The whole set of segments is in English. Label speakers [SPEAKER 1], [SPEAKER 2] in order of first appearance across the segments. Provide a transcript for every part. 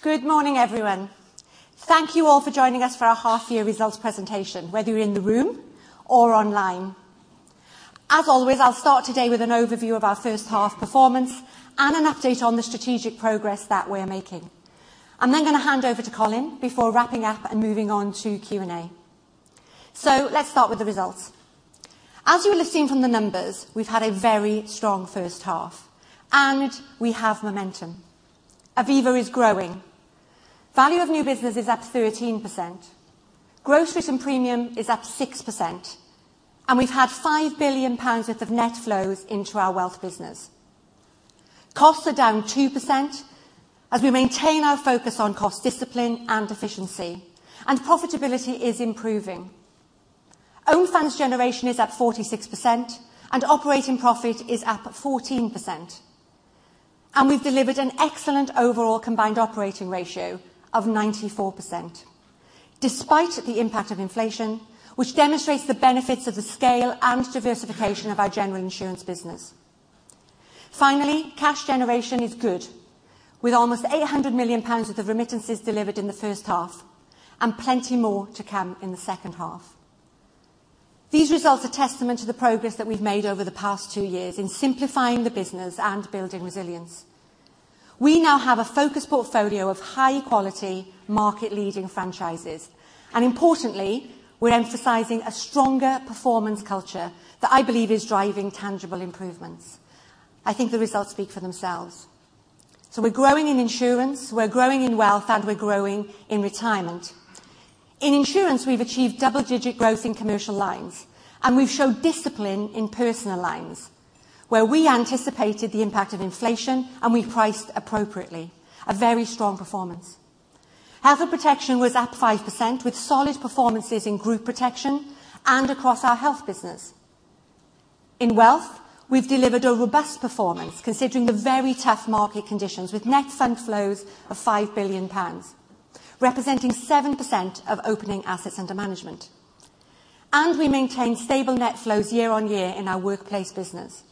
[SPEAKER 1] Good morning, everyone. Thank you all for joining us for our half year results presentation, whether you're in the room or online. As always, I'll start today with an overview of our first half performance and an update on the strategic progress that we're making. I'm then gonna hand over to Colin before wrapping up and moving on to Q&A. Let's start with the results. As you can see from the numbers, we've had a very strong first half, and we have momentum. Aviva is growing. Value of new business is up 13%. Gross written premium is up 6%, and we've had 5 billion pounds worth of net flows into our wealth business. Costs are down 2% as we maintain our focus on cost discipline and efficiency, and profitability is improving. Own funds generation is at 46% and operating profit is up 14%. We've delivered an excellent overall combined operating ratio of 94% despite the impact of inflation, which demonstrates the benefits of the scale and diversification of our general insurance business. Finally, cash generation is good with almost 800 million pounds worth of remittances delivered in the first half and plenty more to come in the second half. These results are testament to the progress that we've made over the past two years in simplifying the business and building resilience. We now have a focused portfolio of high-quality market-leading franchises. Importantly, we're emphasizing a stronger performance culture that I believe is driving tangible improvements. I think the results speak for themselves. We're growing in insurance, we're growing in wealth, and we're growing in retirement. In insurance, we've achieved double-digit growth in commercial lines, and we've shown discipline in personal lines where we anticipated the impact of inflation and we priced appropriately. A very strong performance. Health and protection was up 5% with solid performances in group protection and across our health business. In wealth, we've delivered a robust performance considering the very tough market conditions with net fund flows of 5 billion pounds, representing 7% of opening assets under management. We maintain stable net flows year-on-year in our workplace business.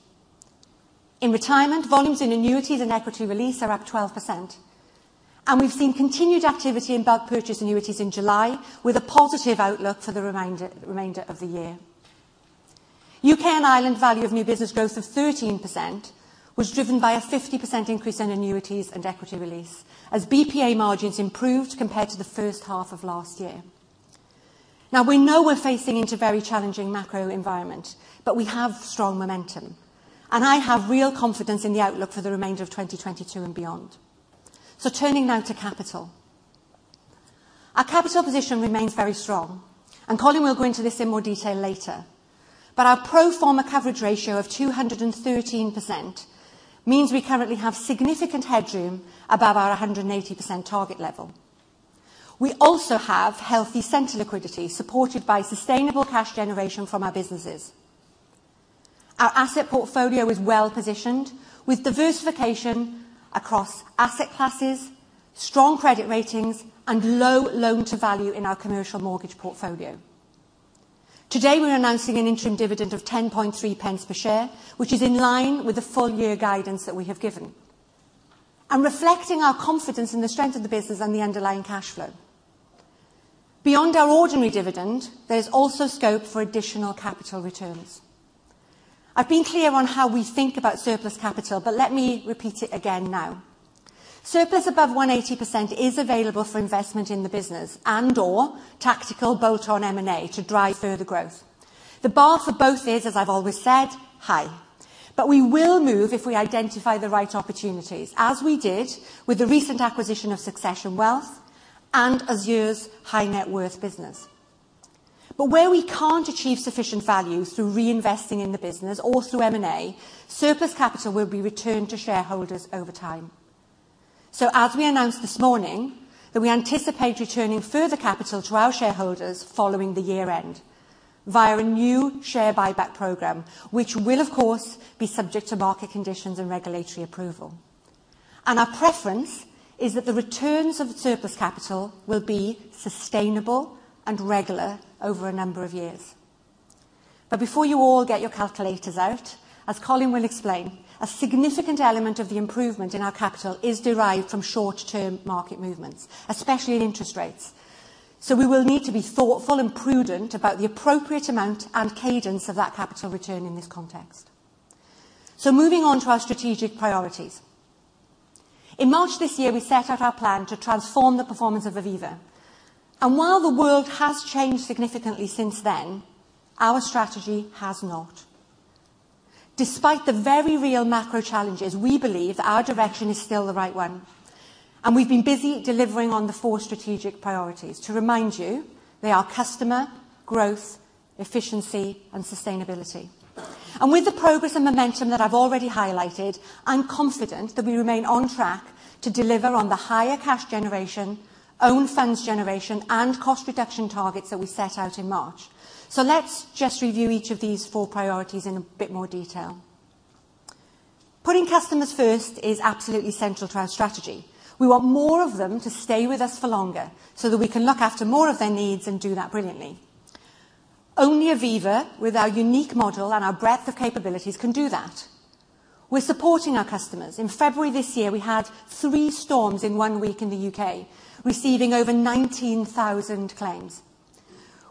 [SPEAKER 1] In retirement, volumes and annuities and equity release are up 12%, and we've seen continued activity in bulk purchase annuities in July with a positive outlook for the remainder of the year. UK and Ireland value of new business growth of 13% was driven by a 50% increase in annuities and equity release as BPA margins improved compared to the first half of last year. Now we know we're facing into very challenging macro environment, but we have strong momentum, and I have real confidence in the outlook for the remainder of 2022 and beyond. Turning now to capital. Our capital position remains very strong, and Colin will go into this in more detail later. Our pro forma coverage ratio of 213% means we currently have significant headroom above our 180% target level. We also have healthy central liquidity supported by sustainable cash generation from our businesses. Our asset portfolio is well positioned with diversification across asset classes, strong credit ratings, and low loan to value in our commercial mortgage portfolio. Today, we're announcing an interim dividend of 10.3 pence per share, which is in line with the full year guidance that we have given and reflecting our confidence in the strength of the business and the underlying cash flow. Beyond our ordinary dividend, there's also scope for additional capital returns. I've been clear on how we think about surplus capital, but let me repeat it again now. Surplus above 180% is available for investment in the business and/or tactical bolt-on M&A to drive further growth. The bar for both is, as I've always said, high, but we will move if we identify the right opportunities as we did with the recent acquisition of Succession Wealth and Azur's high-net-worth business. Where we can't achieve sufficient value through reinvesting in the business or through M&A, surplus capital will be returned to shareholders over time. As we announced this morning that we anticipate returning further capital to our shareholders following the year-end via a new share buyback program, which will of course be subject to market conditions and regulatory approval. Our preference is that the returns of surplus capital will be sustainable and regular over a number of years. Before you all get your calculators out, as Colin will explain, a significant element of the improvement in our capital is derived from short-term market movements, especially in interest rates. We will need to be thoughtful and prudent about the appropriate amount and cadence of that capital return in this context. Moving on to our strategic priorities. In March this year, we set out our plan to transform the performance of Aviva. While the world has changed significantly since then, our strategy has not. Despite the very real macro challenges, we believe our direction is still the right one, and we've been busy delivering on the four strategic priorities. To remind you, they are customer, growth, efficiency, and sustainability. With the progress and momentum that I've already highlighted, I'm confident that we remain on track to deliver on the higher cash generation, own funds generation, and cost reduction targets that we set out in March. Let's just review each of these four priorities in a bit more detail. Putting customers first is absolutely central to our strategy. We want more of them to stay with us for longer so that we can look after more of their needs and do that brilliantly. Only Aviva with our unique model and our breadth of capabilities can do that. We're supporting our customers. In February this year, we had three storms in one week in the U.K., receiving over 19,000 claims.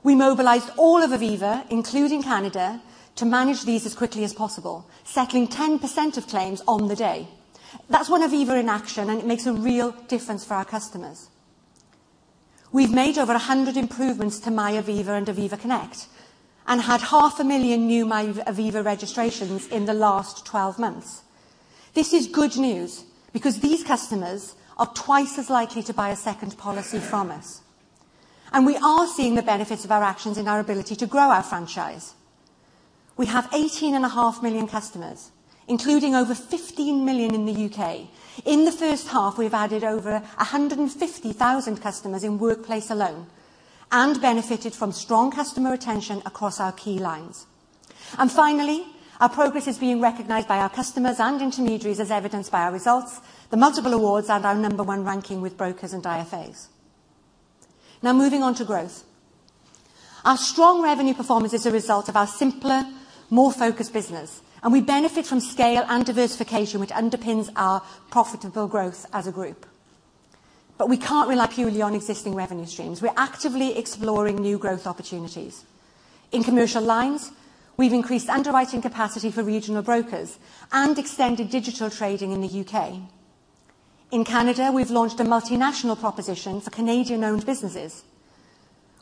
[SPEAKER 1] We mobilized all of Aviva, including Canada, to manage these as quickly as possible, settling 10% of claims on the day. That's one Aviva in action, and it makes a real difference for our customers. We've made over 100 improvements to MyAviva and Aviva Connect, and had 500,000 new MyAviva registrations in the last 12 months. This is good news because these customers are twice as likely to buy a second policy from us. We are seeing the benefits of our actions and our ability to grow our franchise. We have 18.5 million customers, including over 15 million in the UK. In the first half, we've added over 150,000 customers in Workplace alone and benefited from strong customer retention across our key lines. Finally, our progress is being recognized by our customers and intermediaries as evidenced by our results, the multiple awards and our number one ranking with brokers and IFAs. Now moving on to growth. Our strong revenue performance is a result of our simpler, more focused business, and we benefit from scale and diversification, which underpins our profitable growth as a group. We can't rely purely on existing revenue streams. We're actively exploring new growth opportunities. In Commercial Lines, we've increased underwriting capacity for regional brokers and extended digital trading in the UK. In Canada, we've launched a multinational proposition for Canadian-owned businesses.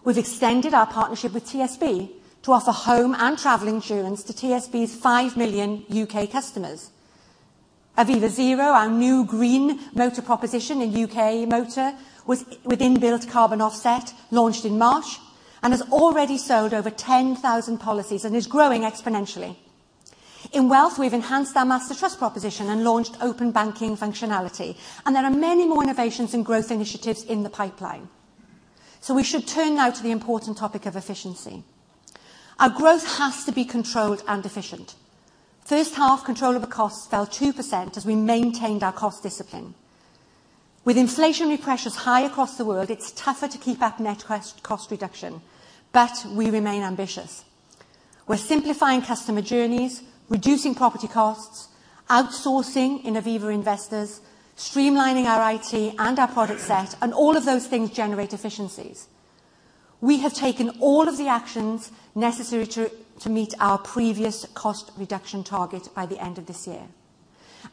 [SPEAKER 1] We've extended our partnership with TSB to offer home and travel insurance to TSB's 5 million UK customers. Aviva Zero, our new green motor proposition in UK Motor with inbuilt carbon offset, launched in March and has already sold over 10,000 policies and is growing exponentially. In Wealth, we've enhanced our master trust proposition and launched open banking functionality, and there are many more innovations and growth initiatives in the pipeline. We should turn now to the important topic of efficiency. Our growth has to be controlled and efficient. First half controllable costs fell 2% as we maintained our cost discipline. With inflationary pressures high across the world, it's tougher to keep up net cost reduction, but we remain ambitious. We're simplifying customer journeys, reducing property costs, outsourcing in Aviva Investors, streamlining our IT and our product set, and all of those things generate efficiencies. We have taken all of the actions necessary to meet our previous cost reduction target by the end of this year,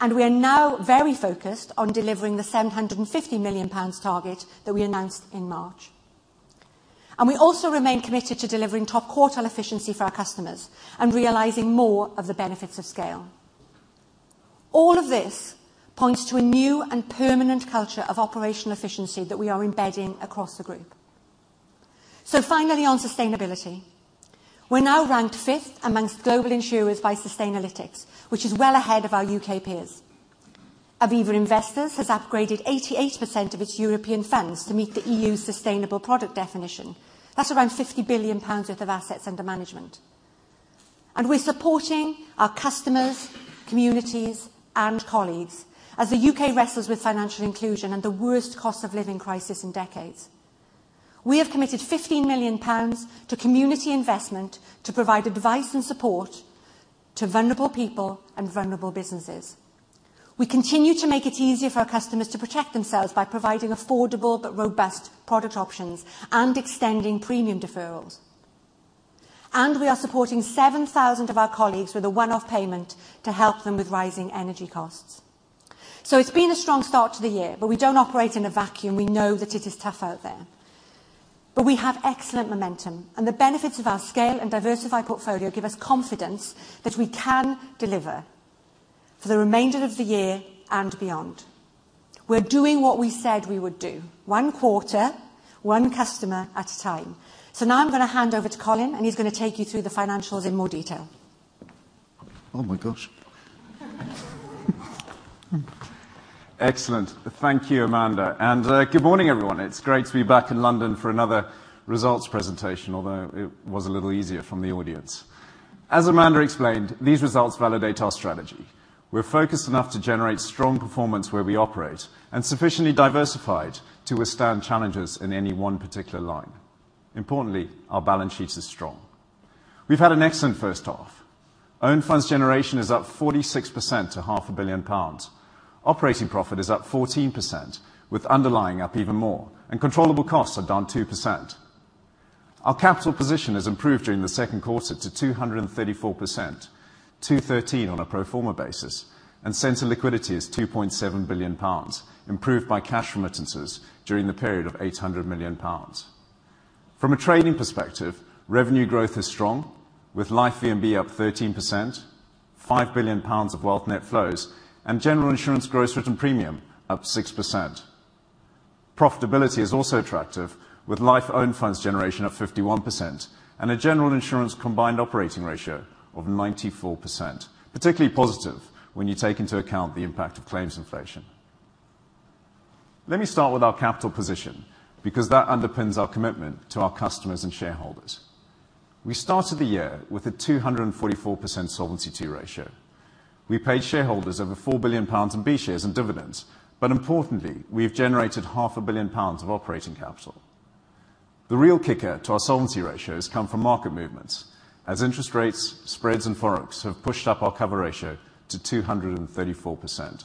[SPEAKER 1] and we are now very focused on delivering the 750 million pounds target that we announced in March. We also remain committed to delivering top quartile efficiency for our customers and realizing more of the benefits of scale. All of this points to a new and permanent culture of operational efficiency that we are embedding across the group. Finally, on sustainability. We are now ranked fifth among global insurers by Sustainalytics, which is well ahead of our UK peers. Aviva Investors has upgraded 88% of its European funds to meet the EU sustainable product definition. That's around 50 billion pounds worth of assets under management. We're supporting our customers, communities and colleagues as the UK wrestles with financial inclusion and the worst cost of living crisis in decades. We have committed 15 million pounds to community investment to provide advice and support to vulnerable people and vulnerable businesses. We continue to make it easier for our customers to protect themselves by providing affordable but robust product options and extending premium deferrals. We are supporting 7,000 of our colleagues with a one-off payment to help them with rising energy costs. It's been a strong start to the year, but we don't operate in a vacuum. We know that it is tough out there. We have excellent momentum, and the benefits of our scale and diversified portfolio give us confidence that we can deliver for the remainder of the year and beyond. We're doing what we said we would do, one quarter, one customer at a time. Now I'm gonna hand over to Colin, and he's gonna take you through the financials in more detail.
[SPEAKER 2] Oh, my gosh. Excellent. Thank you, Amanda, and good morning, everyone. It's great to be back in London for another results presentation, although it was a little easier from the audience. As Amanda explained, these results validate our strategy. We're focused enough to generate strong performance where we operate and sufficiently diversified to withstand challenges in any one particular line. Importantly, our balance sheet is strong. We've had an excellent first half. Own funds generation is up 46% to GBP half a billion. Operating profit is up 14%, with underlying up even more, and controllable costs are down 2%. Our capital position has improved during the second quarter to 234%, 213 on a pro forma basis, and central liquidity is 2.7 billion pounds, improved by cash remittances during the period of 800 million pounds. From a trading perspective, revenue growth is strong, with Life VNB up 13%, 5 billion pounds of wealth net flows, and general insurance gross written premium up 6%. Profitability is also attractive, with Life own funds generation up 51% and a general insurance combined operating ratio of 94%, particularly positive when you take into account the impact of claims inflation. Let me start with our capital position because that underpins our commitment to our customers and shareholders. We started the year with a 244% Solvency II ratio. We paid shareholders over 4 billion pounds in B shares and dividends. Importantly, we have generated half a billion pounds of operating capital. The real kicker to our solvency ratios come from market movements, as interest rates, spreads, and forex have pushed up our cover ratio to 234%.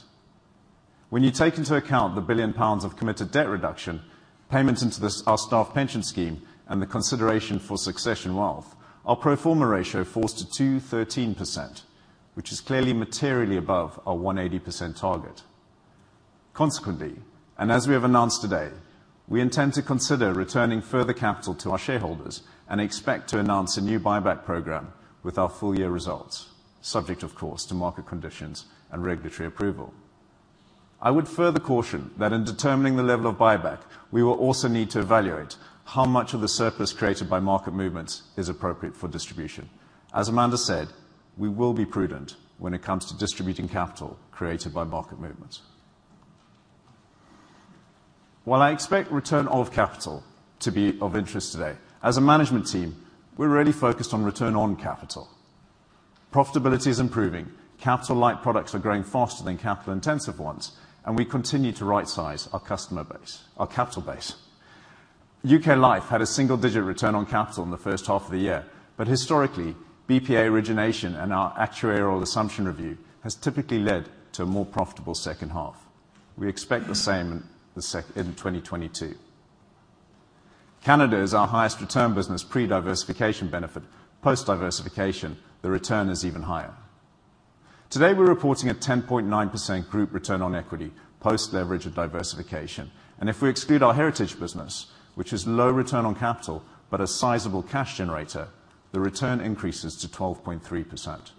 [SPEAKER 2] When you take into account 1 billion pounds of committed debt reduction, payments into this, our staff pension scheme, and the consideration for Succession Wealth, our pro forma ratio falls to 213%, which is clearly materially above our 180% target. Consequently, and as we have announced today, we intend to consider returning further capital to our shareholders and expect to announce a new buyback program with our full year results, subject of course, to market conditions and regulatory approval. I would further caution that in determining the level of buyback, we will also need to evaluate how much of the surplus created by market movements is appropriate for distribution. As Amanda said, we will be prudent when it comes to distributing capital created by market movements. While I expect return of capital to be of interest today, as a management team, we're really focused on return on capital. Profitability is improving. Capital-light products are growing faster than capital-intensive ones, and we continue to right-size our customer base, our capital base. UK Life had a single-digit return on capital in the first half of the year. Historically, BPA origination and our actuarial assumption review has typically led to a more profitable second half. We expect the same in 2022. Canada is our highest return business pre-diversification benefit. Post-diversification, the return is even higher. Today, we're reporting a 10.9% group return on equity, post leverage of diversification. If we exclude our heritage business, which is low return on capital, but a sizable cash generator, the return increases to 12.3%.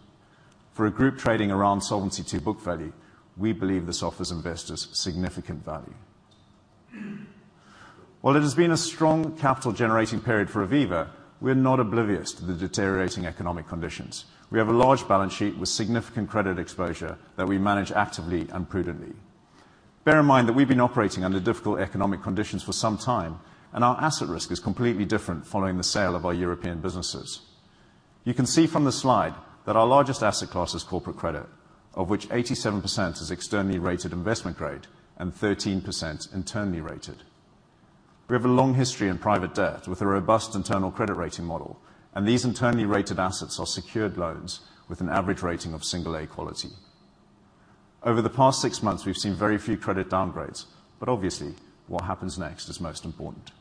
[SPEAKER 2] For a group trading around Solvency II book value, we believe this offers investors significant value. While it has been a strong capital generating period for Aviva, we're not oblivious to the deteriorating economic conditions. We have a large balance sheet with significant credit exposure that we manage actively and prudently. Bear in mind that we've been operating under difficult economic conditions for some time, and our asset risk is completely different following the sale of our European businesses. You can see from the slide that our largest asset class is corporate credit, of which 87% is externally rated investment grade and 13% internally rated. We have a long history in private debt with a robust internal credit rating model, and these internally rated assets are secured loans with an average rating of single A quality. Over the past six months, we've seen very few credit downgrades, but obviously what happens next is most important.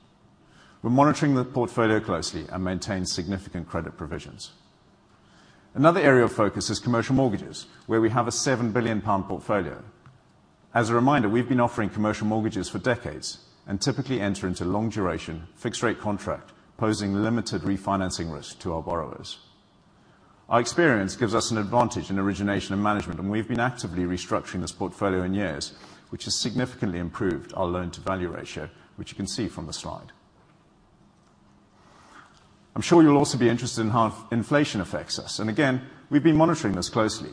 [SPEAKER 2] We're monitoring the portfolio closely and maintain significant credit provisions. Another area of focus is commercial mortgages, where we have a 7 billion pound portfolio. As a reminder, we've been offering commercial mortgages for decades and typically enter into long duration fixed rate contract, posing limited refinancing risk to our borrowers. Our experience gives us an advantage in origination and management, and we've been actively restructuring this portfolio in years, which has significantly improved our loan to value ratio, which you can see from the slide. I'm sure you'll also be interested in how inflation affects us. Again, we've been monitoring this closely.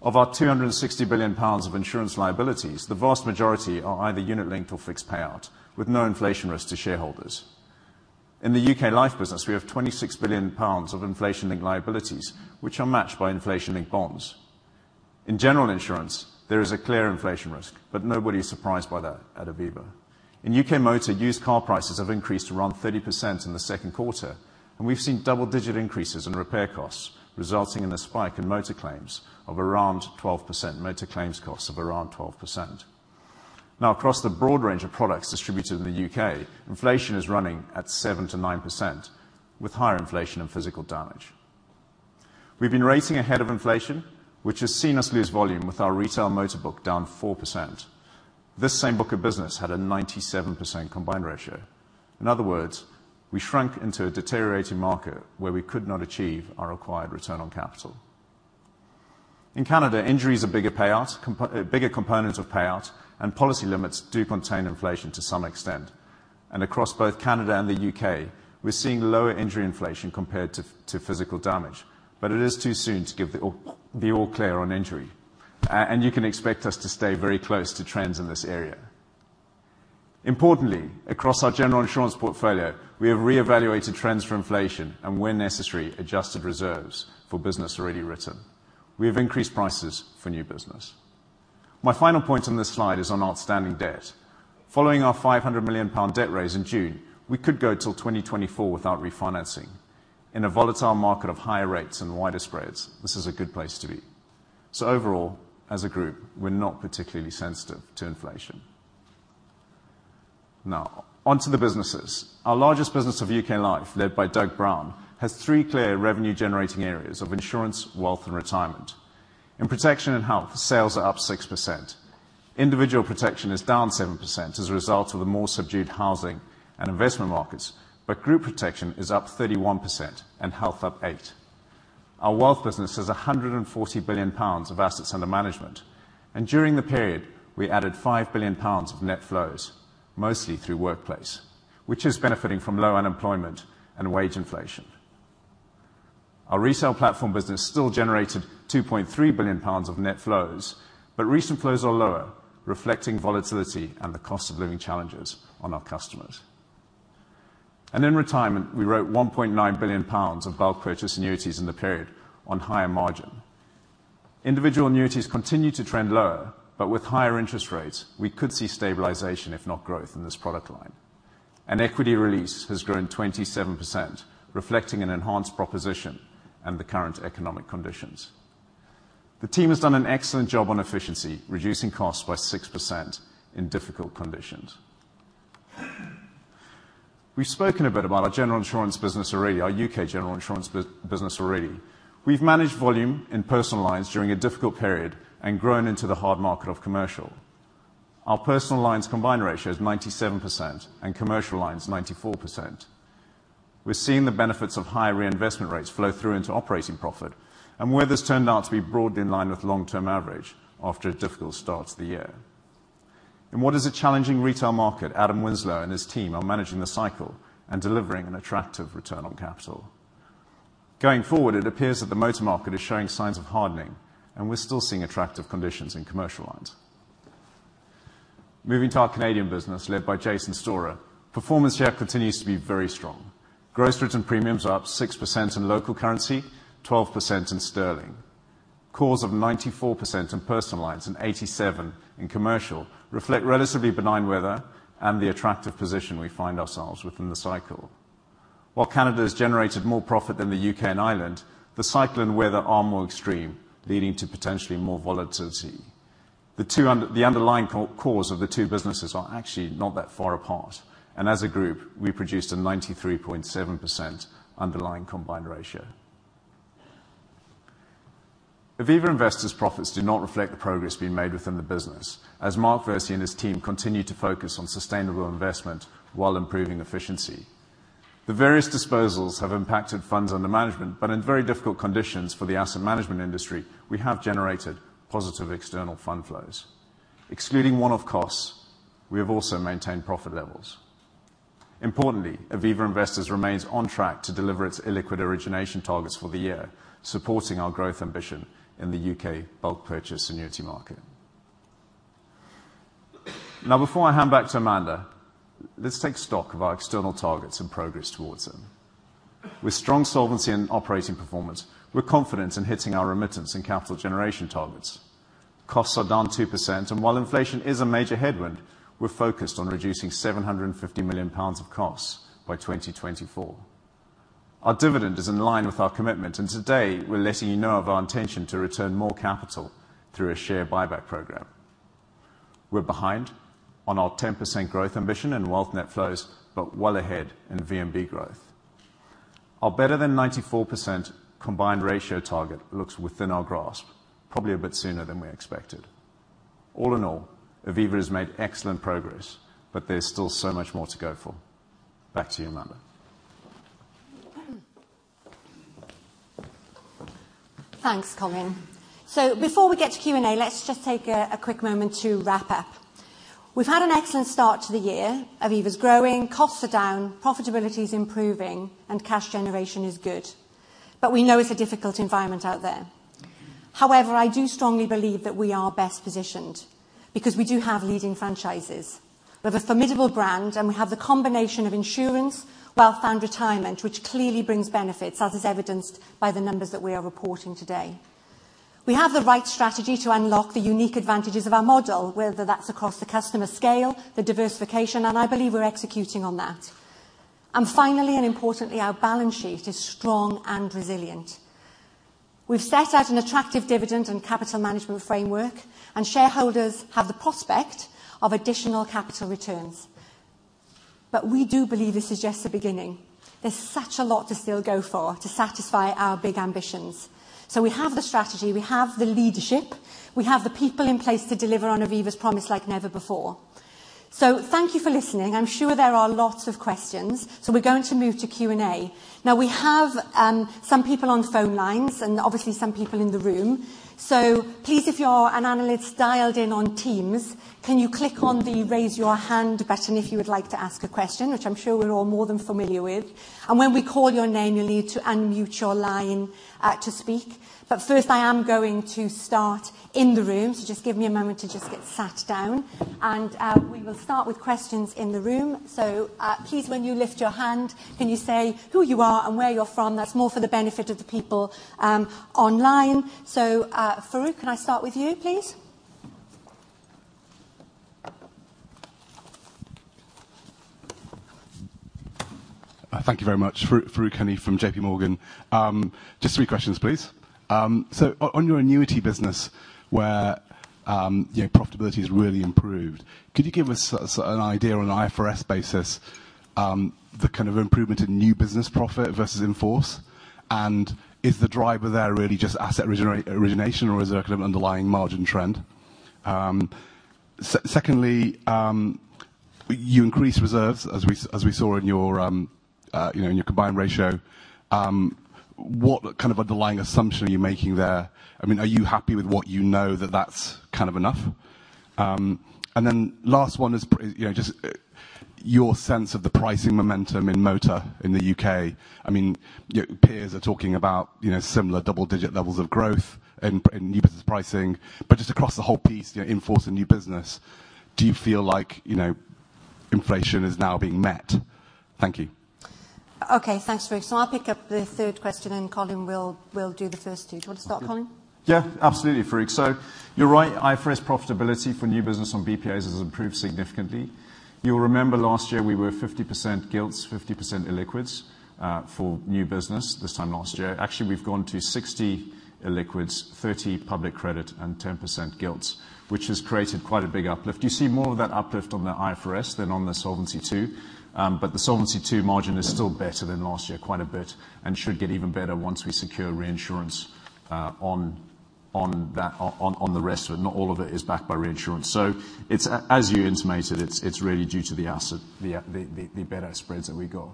[SPEAKER 2] Of our 260 billion pounds of insurance liabilities, the vast majority are either unit linked or fixed payout, with no inflation risk to shareholders. In the UK Life business, we have 26 billion pounds of inflation linked liabilities, which are matched by inflation linked bonds. In general insurance, there is a clear inflation risk, but nobody is surprised by that at Aviva. In UK Motor, used car prices have increased around 30% in the second quarter, and we've seen double-digit increases in repair costs, resulting in a spike in motor claims of around 12%, motor claims costs of around 12%. Now across the broad range of products distributed in the UK, inflation is running at 7%-9%, with higher inflation and physical damage. We've been raising ahead of inflation, which has seen us lose volume with our retail motor book down 4%. This same book of business had a 97% combined ratio. In other words, we shrunk into a deteriorating market where we could not achieve our required return on capital. In Canada, injuries are bigger payout, bigger components of payout, and policy limits do contain inflation to some extent. Across both Canada and the UK, we're seeing lower injury inflation compared to physical damage, but it is too soon to give the all clear on injury. You can expect us to stay very close to trends in this area. Importantly, across our general insurance portfolio, we have reevaluated trends for inflation and when necessary, adjusted reserves for business already written. We have increased prices for new business. My final point on this slide is on outstanding debt. Following our 500 million pound debt raise in June, we could go till 2024 without refinancing. In a volatile market of higher rates and wider spreads, this is a good place to be. Overall, as a group, we're not particularly sensitive to inflation. Now on to the businesses. Our largest business of UK Life, led by Doug Brown, has three clear revenue generating areas of insurance, wealth and retirement. In protection and health, sales are up 6%. Individual protection is down 7% as a result of the more subdued housing and investment markets, but group protection is up 31% and health up 8%. Our wealth business has 140 billion pounds of assets under management. During the period, we added 5 billion pounds of net flows, mostly through workplace, which is benefiting from low unemployment and wage inflation. Our resale platform business still generated 2.3 billion pounds of net flows, but recent flows are lower, reflecting volatility and the cost of living challenges on our customers. In retirement, we wrote 1.9 billion pounds of bulk purchase annuities in the period on higher margin. Individual annuities continued to trend lower, but with higher interest rates, we could see stabilization, if not growth in this product line. Equity release has grown 27%, reflecting an enhanced proposition and the current economic conditions. The team has done an excellent job on efficiency, reducing costs by 6% in difficult conditions. We've spoken a bit about our general insurance business already, our UK general insurance business already. We've managed volume in personal lines during a difficult period and grown into the hard market of commercial. Our personal lines combined ratio is 97% and commercial lines 94%. We're seeing the benefits of higher reinvestment rates flow through into operating profit and where this turned out to be broadly in line with long-term average after a difficult start to the year. In what is a challenging retail market, Adam Winslow and his team are managing the cycle and delivering an attractive return on capital. Going forward, it appears that the motor market is showing signs of hardening, and we're still seeing attractive conditions in commercial lines. Moving to our Canadian business led by Jason Storah, performance here continues to be very strong. Gross written premiums are up 6% in local currency, 12% in sterling. COR of 94% in personal lines and 87% in commercial reflect relatively benign weather and the attractive position we find ourselves within the cycle. While Canada has generated more profit than the UK and Ireland, the cycle and weather are more extreme, leading to potentially more volatility. The underlying cause of the two businesses are actually not that far apart, and as a group, we produced a 93.7% underlying combined ratio. Aviva Investors' profits do not reflect the progress being made within the business as Mark Versey and his team continue to focus on sustainable investment while improving efficiency. The various disposals have impacted funds under management, but in very difficult conditions for the asset management industry, we have generated positive external fund flows. Excluding one-off costs, we have also maintained profit levels. Importantly, Aviva Investors remains on track to deliver its illiquid origination targets for the year, supporting our growth ambition in the UK bulk purchase annuity market. Now before I hand back to Amanda, let's take stock of our external targets and progress towards them. With strong solvency and operating performance, we're confident in hitting our remittance and capital generation targets. Costs are down 2%, and while inflation is a major headwind, we're focused on reducing 750 million pounds of costs by 2024. Our dividend is in line with our commitment, and today we're letting you know of our intention to return more capital through a share buyback program. We're behind on our 10% growth ambition and wealth net flows, but well ahead in VNB growth. Our better than 94% combined ratio target looks within our grasp, probably a bit sooner than we expected. All in all, Aviva has made excellent progress, but there's still so much more to go for. Back to you, Amanda.
[SPEAKER 1] Thanks, Colin. Before we get to Q&A, let's just take a quick moment to wrap up. We've had an excellent start to the year. Aviva's growing, costs are down, profitability is improving, and cash generation is good. We know it's a difficult environment out there. However, I do strongly believe that we are best positioned because we do have leading franchises. We have a formidable brand, and we have the combination of insurance, wealth, and retirement, which clearly brings benefits, as is evidenced by the numbers that we are reporting today. We have the right strategy to unlock the unique advantages of our model, whether that's across the customer scale, the diversification, and I believe we're executing on that. Finally, and importantly, our balance sheet is strong and resilient. We've set out an attractive dividend and capital management framework, and shareholders have the prospect of additional capital returns. We do believe this is just the beginning. There's such a lot to still go for to satisfy our big ambitions. We have the strategy, we have the leadership, we have the people in place to deliver on Aviva's promise like never before. Thank you for listening. I'm sure there are lots of questions, so we're going to move to Q&A. Now we have some people on phone lines and obviously some people in the room. Please, if you're an analyst dialed in on Teams, can you click on the Raise Your Hand button if you would like to ask a question, which I'm sure we're all more than familiar with. When we call your name, you'll need to unmute your line to speak. First I am going to start in the room, so just give me a moment to just get sat down. We will start with questions in the room. Please, when you lift your hand, can you say who you are and where you're from? That's more for the benefit of the people online. Farooq, can I start with you, please?
[SPEAKER 3] Thank you very much. Farooq Hanif from JPMorgan. Just three questions, please. On your annuity business where, you know, profitability has really improved, could you give us sort of an idea on an IFRS basis, the kind of improvement in new business profit versus in force? Is the driver there really just asset origination or is there kind of underlying margin trend? Secondly, you increased reserves as we saw in your, you know, in your combined ratio. What kind of underlying assumption are you making there? I mean, are you happy with what you know that that's kind of enough? Last one is, you know, just your sense of the pricing momentum in motor in the UK. I mean, your peers are talking about, you know, similar double digit levels of growth in new business pricing. Just across the whole piece, you know, in force and new business, do you feel like, you know, inflation is now being met? Thank you.
[SPEAKER 1] Okay, thanks, Farooq. I'll pick up the third question, and Colin will do the first two. Do you want to start, Colin?
[SPEAKER 2] Yeah, absolutely, Farooq. You're right. IFRS profitability for new business on BPAs has improved significantly. You'll remember last year we were 50% gilts, 50% illiquids for new business this time last year. Actually, we've gone to 60 illiquids, 30 public credit, and 10% gilts, which has created quite a big uplift. You see more of that uplift on the IFRS than on the Solvency II. But the Solvency II margin is still better than last year quite a bit, and should get even better once we secure reinsurance on that, on the rest of it. Not all of it is backed by reinsurance. It's as you intimated, it's really due to the asset, the better spreads that we got.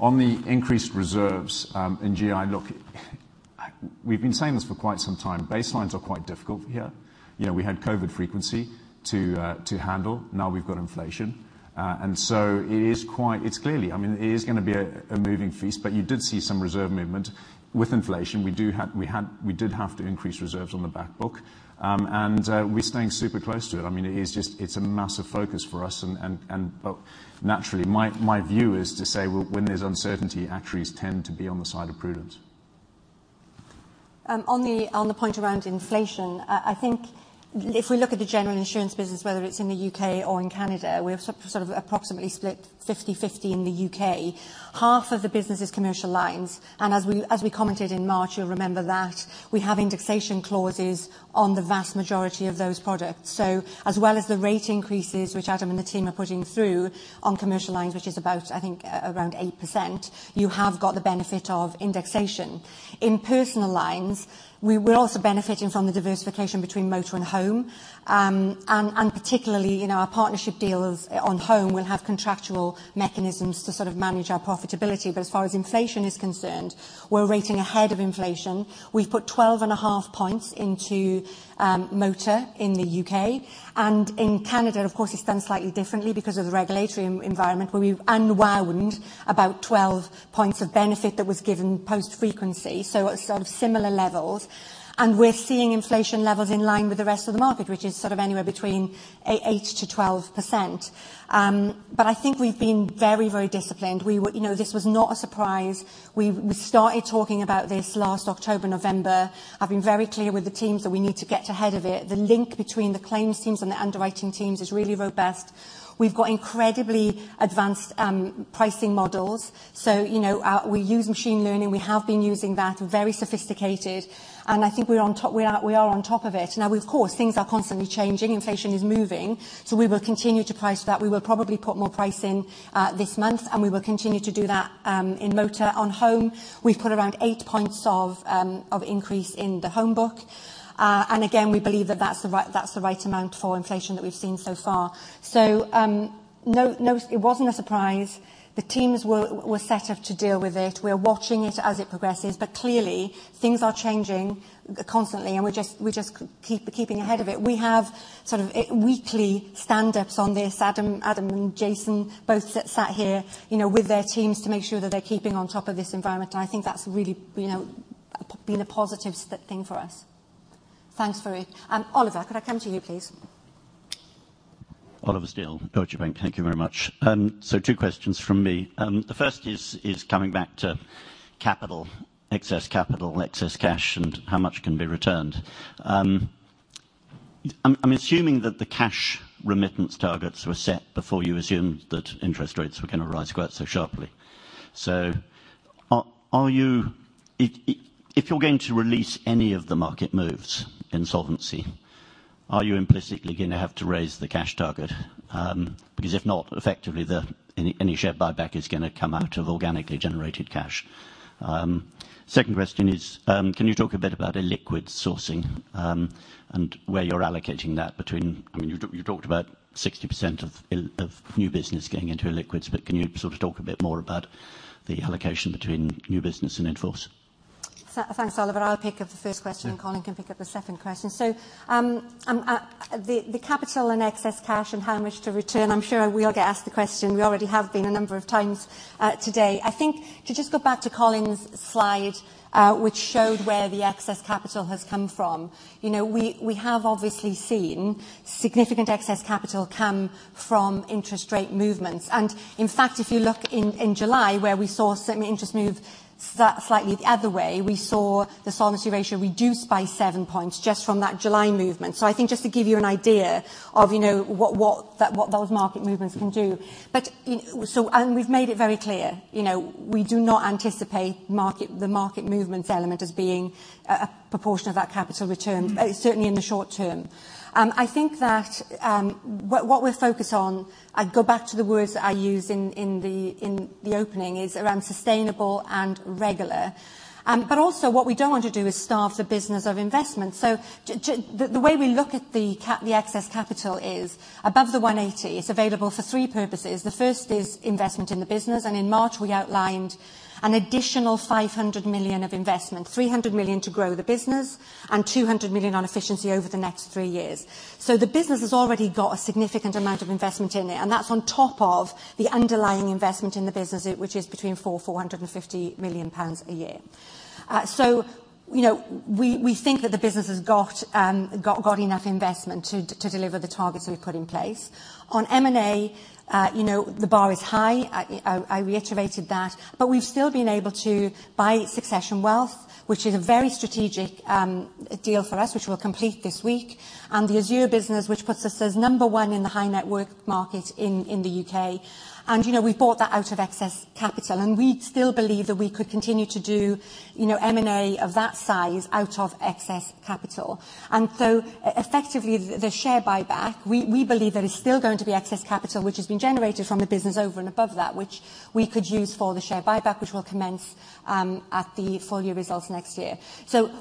[SPEAKER 2] On the increased reserves in GI, look, we've been saying this for quite some time. Baselines are quite difficult here. You know, we had COVID frequency to handle. Now we've got inflation. It is quite. It's clearly, I mean, it is gonna be a moving feast, but you did see some reserve movement. With inflation, we did have to increase reserves on the back book. We're staying super close to it. I mean, it is just, it's a massive focus for us and naturally, my view is to say, when there's uncertainty, actuaries tend to be on the side of prudence.
[SPEAKER 1] On the point around inflation, I think if we look at the general insurance business, whether it's in the UK or in Canada, we're sort of approximately split 50-50 in the UK. Half of the business is commercial lines, and as we commented in March, you'll remember that we have indexation clauses on the vast majority of those products. As well as the rate increases, which Adam and the team are putting through on commercial lines, which is about, I think, around 8%, you have got the benefit of indexation. In personal lines, we're also benefiting from the diversification between motor and home. Particularly, you know, our partnership deal on home will have contractual mechanisms to sort of manage our profitability. As far as inflation is concerned, we're rating ahead of inflation. We've put 12.5 points into motor in the UK. In Canada, of course, it's done slightly differently because of the regulatory environment where we've unwound about 12 points of benefit that was given post-frequency. At sort of similar levels. We're seeing inflation levels in line with the rest of the market, which is sort of anywhere between 8%-12%. But I think we've been very, very disciplined. You know, this was not a surprise. We've started talking about this last October, November. I've been very clear with the teams that we need to get ahead of it. The link between the claims teams and the underwriting teams is really robust. We've got incredibly advanced pricing models. You know, we use machine learning. We have been using that, very sophisticated. I think we're on top. We are on top of it. Now, of course, things are constantly changing. Inflation is moving, so we will continue to price that. We will probably put more price in this month, and we will continue to do that in motor. On home, we've put around 8 points of increase in the home book. And again, we believe that that's the right amount for inflation that we've seen so far. No, it wasn't a surprise. The teams were set up to deal with it. We're watching it as it progresses, but clearly things are changing constantly, and we're just keeping ahead of it. We have sort of weekly standups on this. Adam and Jason both sat here, you know, with their teams to make sure that they're keeping on top of this environment. I think that's really, you know, been a positive thing for us. Thanks, Farooq. Oliver, could I come to you, please?
[SPEAKER 4] Oliver Steele, Deutsche Bank. Thank you very much. So two questions from me. The first is coming back to capital, excess capital, excess cash, and how much can be returned. I'm assuming that the cash remittance targets were set before you assumed that interest rates were gonna rise quite so sharply. If you're going to release any of the market moves in solvency, are you implicitly gonna have to raise the cash target? Because if not, effectively any share buyback is gonna come out of organically generated cash. Second question is, can you talk a bit about illiquid sourcing, and where you're allocating that between... I mean, you talked about 60% of new business going into illiquids, but can you sort of talk a bit more about the allocation between new business and in force?
[SPEAKER 1] Thanks, Oliver. I'll pick up the first question, and Colin can pick up the second question. The capital and excess cash and how much to return, I'm sure we'll get asked the question. We already have been a number of times today. I think to just go back to Colin's slide, which showed where the excess capital has come from, you know, we have obviously seen significant excess capital come from interest rate movements. In fact, if you look in July, where we saw some interest rates move slightly the other way, we saw the solvency ratio reduce by 7 points just from that July movement. I think just to give you an idea of, you know, what those market movements can do. We've made it very clear, you know, we do not anticipate market, the market movements element as being a proportion of that capital return, certainly in the short term. I think that what we're focused on, I'd go back to the words that I used in the opening, is around sustainable and regular. But also what we don't want to do is starve the business of investment. The way we look at the excess capital is above the 180, it's available for three purposes. The first is investment in the business, and in March, we outlined an additional 500 million of investment, 300 million to grow the business and 200 million on efficiency over the next three years. The business has already got a significant amount of investment in it, and that's on top of the underlying investment in the business, which is 450 million pounds a year. We think that the business has got enough investment to deliver the targets we've put in place. On M&A, the bar is high. I reiterated that. We've still been able to buy Succession Wealth, which is a very strategic deal for us, which we'll complete this week. The Azur business, which puts us as number one in the high-net-worth market in the UK. We bought that out of excess capital, and we still believe that we could continue to do M&A of that size out of excess capital. Effectively, the share buyback, we believe there is still going to be excess capital which has been generated from the business over and above that which we could use for the share buyback, which will commence at the full year results next year.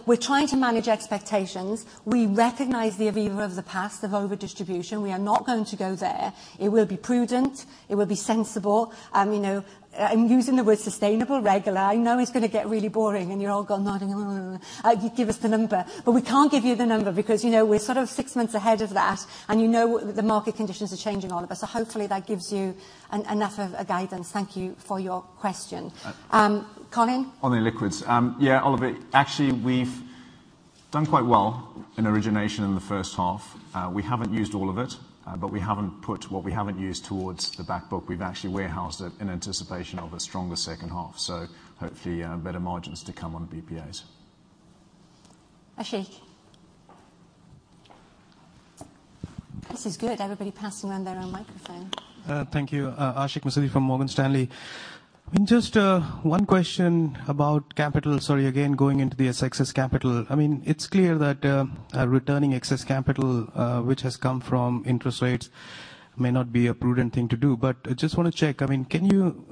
[SPEAKER 1] We're trying to manage expectations. We recognize the Aviva of the past, of overdistribution. We are not going to go there. It will be prudent. It will be sensible. You know, I'm using the word sustainable regular. I know it's gonna get really boring, and you're all going, "Nuh, nuh. Give us the number." But we can't give you the number because, you know, we're sort of six months ahead of that, and you know the market conditions are changing, Oliver. Hopefully that gives you enough of a guidance. Thank you for your question.
[SPEAKER 2] Uh-
[SPEAKER 1] Colin?
[SPEAKER 2] On the liquidity. Oliver. Actually, we've done quite well in origination in the first half. We haven't used all of it, but we haven't put what we haven't used towards the back book. We've actually warehoused it in anticipation of a stronger second half. Hopefully, better margins to come on the BPAs.
[SPEAKER 1] Ashik. This is good, everybody passing around their own microphone.
[SPEAKER 5] Thank you. Ashik Musaddi from Morgan Stanley. Just one question about capital. Sorry, again, going into the excess capital. I mean, it's clear that returning excess capital, which has come from interest rates may not be a prudent thing to do. I just wanna check. I mean, can you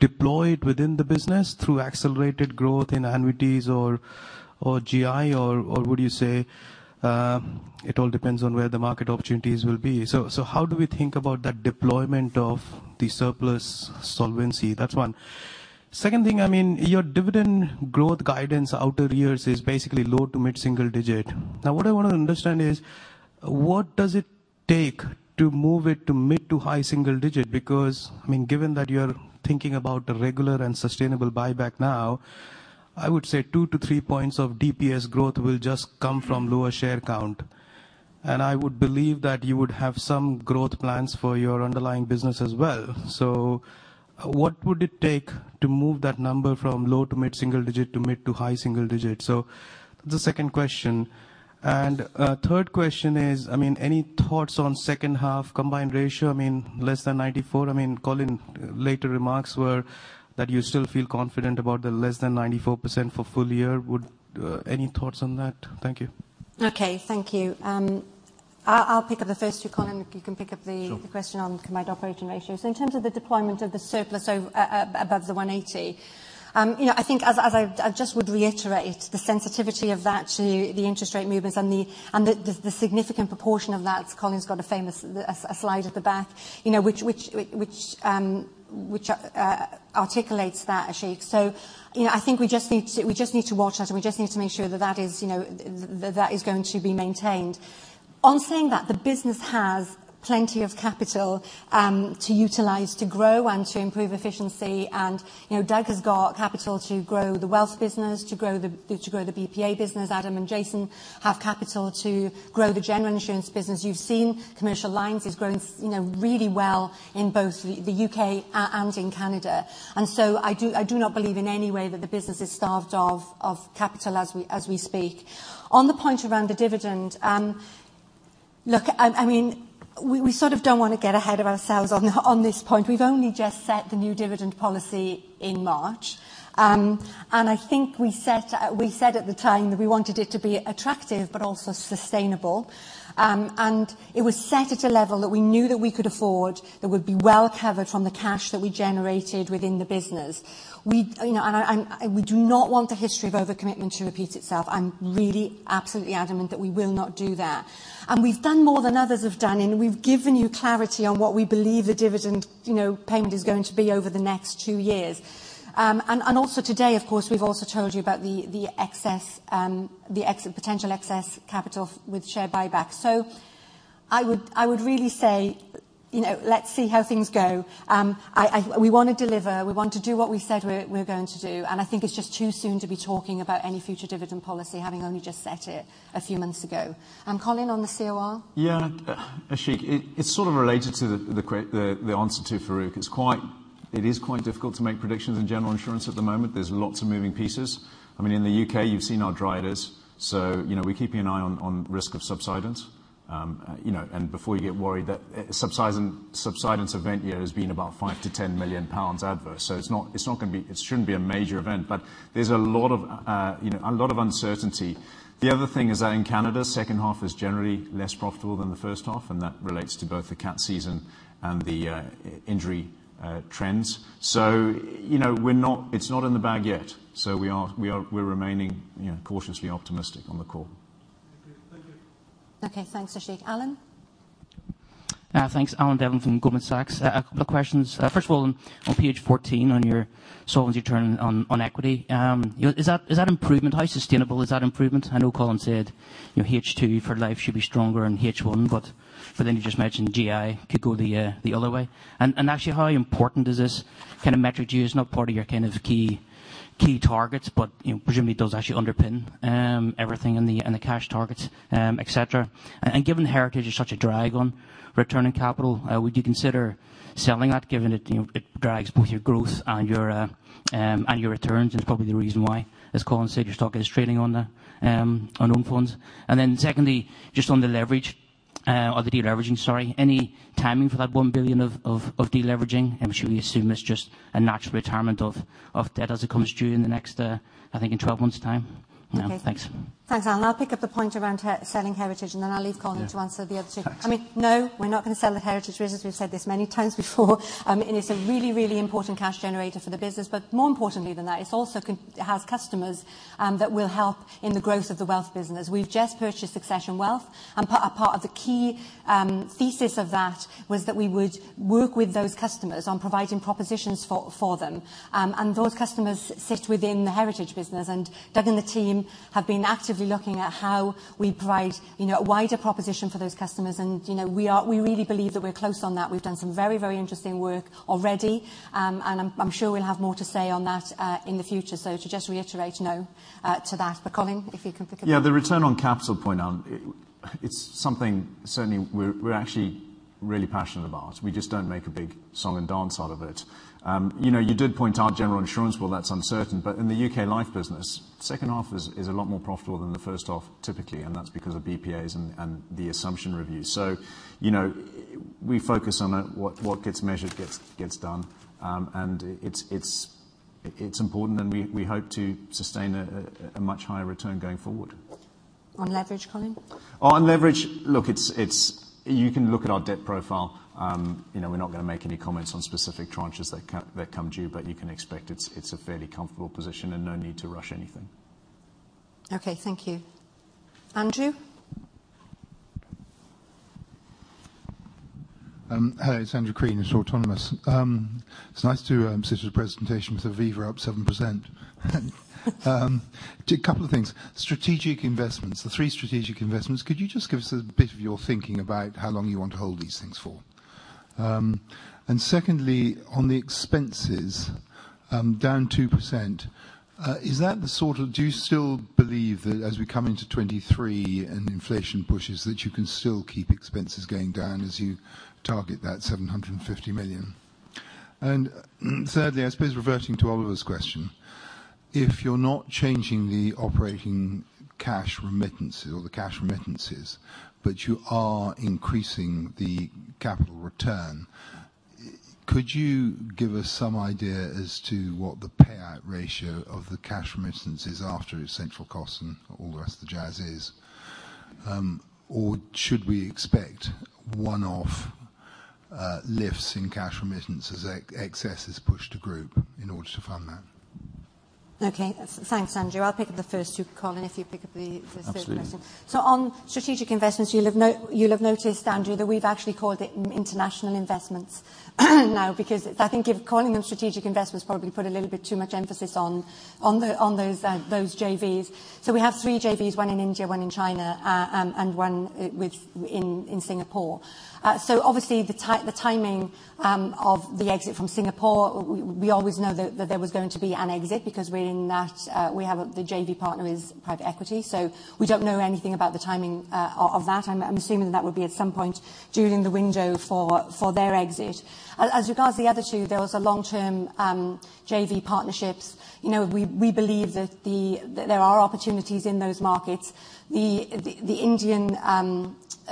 [SPEAKER 5] deploy it within the business through accelerated growth in annuities or GI, or would you say it all depends on where the market opportunities will be? How do we think about that deployment of the surplus solvency? That's one. Second thing, I mean, your dividend growth guidance outer years is basically low- to mid-single-digit. Now, what I want to understand is, what does it take to move it to mid- to high-single-digit? Because, I mean, given that you're thinking about a regular and sustainable buyback now, I would say 2-3 points of DPS growth will just come from lower share count. I would believe that you would have some growth plans for your underlying business as well. What would it take to move that number from low- to mid-single-digit to mid- to high-single-digit? That's the second question. A third question is, I mean, any thoughts on second half combined ratio? I mean, less than 94. I mean, Colin, later remarks were that you still feel confident about the less than 94% for full year. Would any thoughts on that? Thank you.
[SPEAKER 1] Okay, thank you. I'll pick up the first two. Colin, if you can pick up the
[SPEAKER 2] Sure.
[SPEAKER 1] The question on combined operating ratio. In terms of the deployment of the surplus above the 180, you know, I think I just would reiterate the sensitivity of that to the interest rate movements and the significant proportion of that. Colin has got a famous slide at the back, you know, which articulates that, Ashik. I think we just need to watch that, and we just need to make sure that that is going to be maintained. On saying that, the business has plenty of capital to utilize, to grow and to improve efficiency. You know, Doug has got capital to grow the wealth business, to grow the BPA business. Adam and Jason have capital to grow the general insurance business. You've seen Commercial Lines is growing, you know, really well in both the UK and in Canada. I do not believe in any way that the business is starved of capital as we speak. On the point around the dividend, look, I mean, we sort of don't wanna get ahead of ourselves on this point. We've only just set the new dividend policy in March. I think we said at the time that we wanted it to be attractive but also sustainable. It was set at a level that we knew that we could afford, that would be well covered from the cash that we generated within the business. We do not want the history of overcommitment to repeat itself. I'm really absolutely adamant that we will not do that. We've done more than others have done, and we've given you clarity on what we believe the dividend payment is going to be over the next two years. Also today, of course, we've also told you about the potential excess capital with share buyback. I would really say, let's see how things go. We wanna deliver. We want to do what we said we're going to do, and I think it's just too soon to be talking about any future dividend policy, having only just set it a few months ago. Colin, on the COR.
[SPEAKER 2] Ashik, it's sort of related to the answer to Farooq. It is quite difficult to make predictions in general insurance at the moment. There's lots of moving pieces. I mean, in the UK, you've seen how dry it is, so you know, we're keeping an eye on risk of subsidence. You know, and before you get worried, the subsidence event here has been about 5 million-10 million pounds adverse. It's not gonna be. It shouldn't be a major event. But there's a lot of uncertainty. The other thing is that in Canada, second half is generally less profitable than the first half, and that relates to both the cat season and the injury trends. You know, it's not in the bag yet. We're remaining, you know, cautiously optimistic on the call.
[SPEAKER 5] Thank you. Thank you.
[SPEAKER 1] Okay. Thanks, Ashik. Alan?
[SPEAKER 6] Thanks. Alan Sheridan from Goldman Sachs. A couple of questions. First of all, on page 14 on your Solvency return on equity. Is that improvement? How sustainable is that improvement? I know Colin said, you know, H2 for life should be stronger in H1, but then you just mentioned GI could go the other way. Actually how important is this kind of metric to you? It's not part of your kind of key targets, but you know, presumably it does actually underpin everything in the cash targets, et cetera. Given Heritage is such a drag on returning capital, would you consider selling that given it, you know, it drags both your growth and your returns? It's probably the reason why, as Colin said, your stock is trading on own funds. Secondly, just on the leverage, or the deleveraging, sorry. Any timing for that 1 billion of deleveraging? I'm sure we assume it's just a natural retirement of debt as it comes due in the next, I think, 12 months time.
[SPEAKER 1] Okay.
[SPEAKER 7] Thanks.
[SPEAKER 1] Thanks, Alan. I'll pick up the point around selling Heritage, and then I'll leave Colin-
[SPEAKER 2] Yeah.
[SPEAKER 1] To answer the other two.
[SPEAKER 7] Thanks.
[SPEAKER 1] I mean, no, we're not gonna sell the Heritage business. We've said this many times before. It's a really, really important cash generator for the business. More importantly than that, it's also it houses customers that will help in the growth of the wealth business. We've just purchased Succession Wealth and part of the key thesis of that was that we would work with those customers on providing propositions for them. Those customers sit within the Heritage business, and Doug and the team have been actively looking at how we provide, you know, a wider proposition for those customers. You know, we really believe that we're close on that. We've done some very, very interesting work already. I'm sure we'll have more to say on that in the future. To just reiterate, no, to that. Colin, if you can pick up
[SPEAKER 2] Yeah. The return on capital point, Alan, it's something certainly we're actually really passionate about. We just don't make a big song and dance out of it. You know, you did point out general insurance. Well, that's uncertain. In the UK life business, second half is a lot more profitable than the first half typically, and that's because of BPAs and the assumption reviews. You know, we focus on what gets measured gets done. It's important, and we hope to sustain a much higher return going forward.
[SPEAKER 1] On leverage, Colin?
[SPEAKER 2] On leverage. Look, it's. You can look at our debt profile. You know, we're not gonna make any comments on specific tranches that come due, but you can expect it's a fairly comfortable position and no need to rush anything.
[SPEAKER 1] Okay. Thank you. Andrew?
[SPEAKER 8] Hello. It's Andrew Crean at Autonomous. It's nice to sit through a presentation with Aviva up 7%. A couple of things. Strategic investments, the three strategic investments, could you just give us a bit of your thinking about how long you want to hold these things for? And secondly, on the expenses, down 2%, is that the sort of. Do you still believe that as we come into 2023 and inflation pushes, that you can still keep expenses going down as you target that 750 million? Thirdly, I suppose reverting to Oliver's question, if you're not changing the operating cash remittances or the cash remittances, but you are increasing the capital return, could you give us some idea as to what the payout ratio of the cash remittances after its central costs and all the rest of the jazz is? Or should we expect one-off lifts in cash remittance as excess is pushed to group in order to fund that?
[SPEAKER 1] Okay. Thanks, Andrew. I'll pick up the first two, Colin, if you pick up the third question.
[SPEAKER 2] Absolutely.
[SPEAKER 1] On strategic investments, you'll have noticed, Andrew, that we've actually called it international investments now because I think if calling them strategic investments probably put a little bit too much emphasis on those JVs. We have three JVs, one in India, one in China, and one in Singapore. Obviously the timing of the exit from Singapore, we always know that there was going to be an exit because we're in that. The JV partner is private equity, so we don't know anything about the timing of that. I'm assuming that would be at some point during the window for their exit. As regards to the other two, those are long-term JV partnerships. You know, we believe that there are opportunities in those markets. The Indian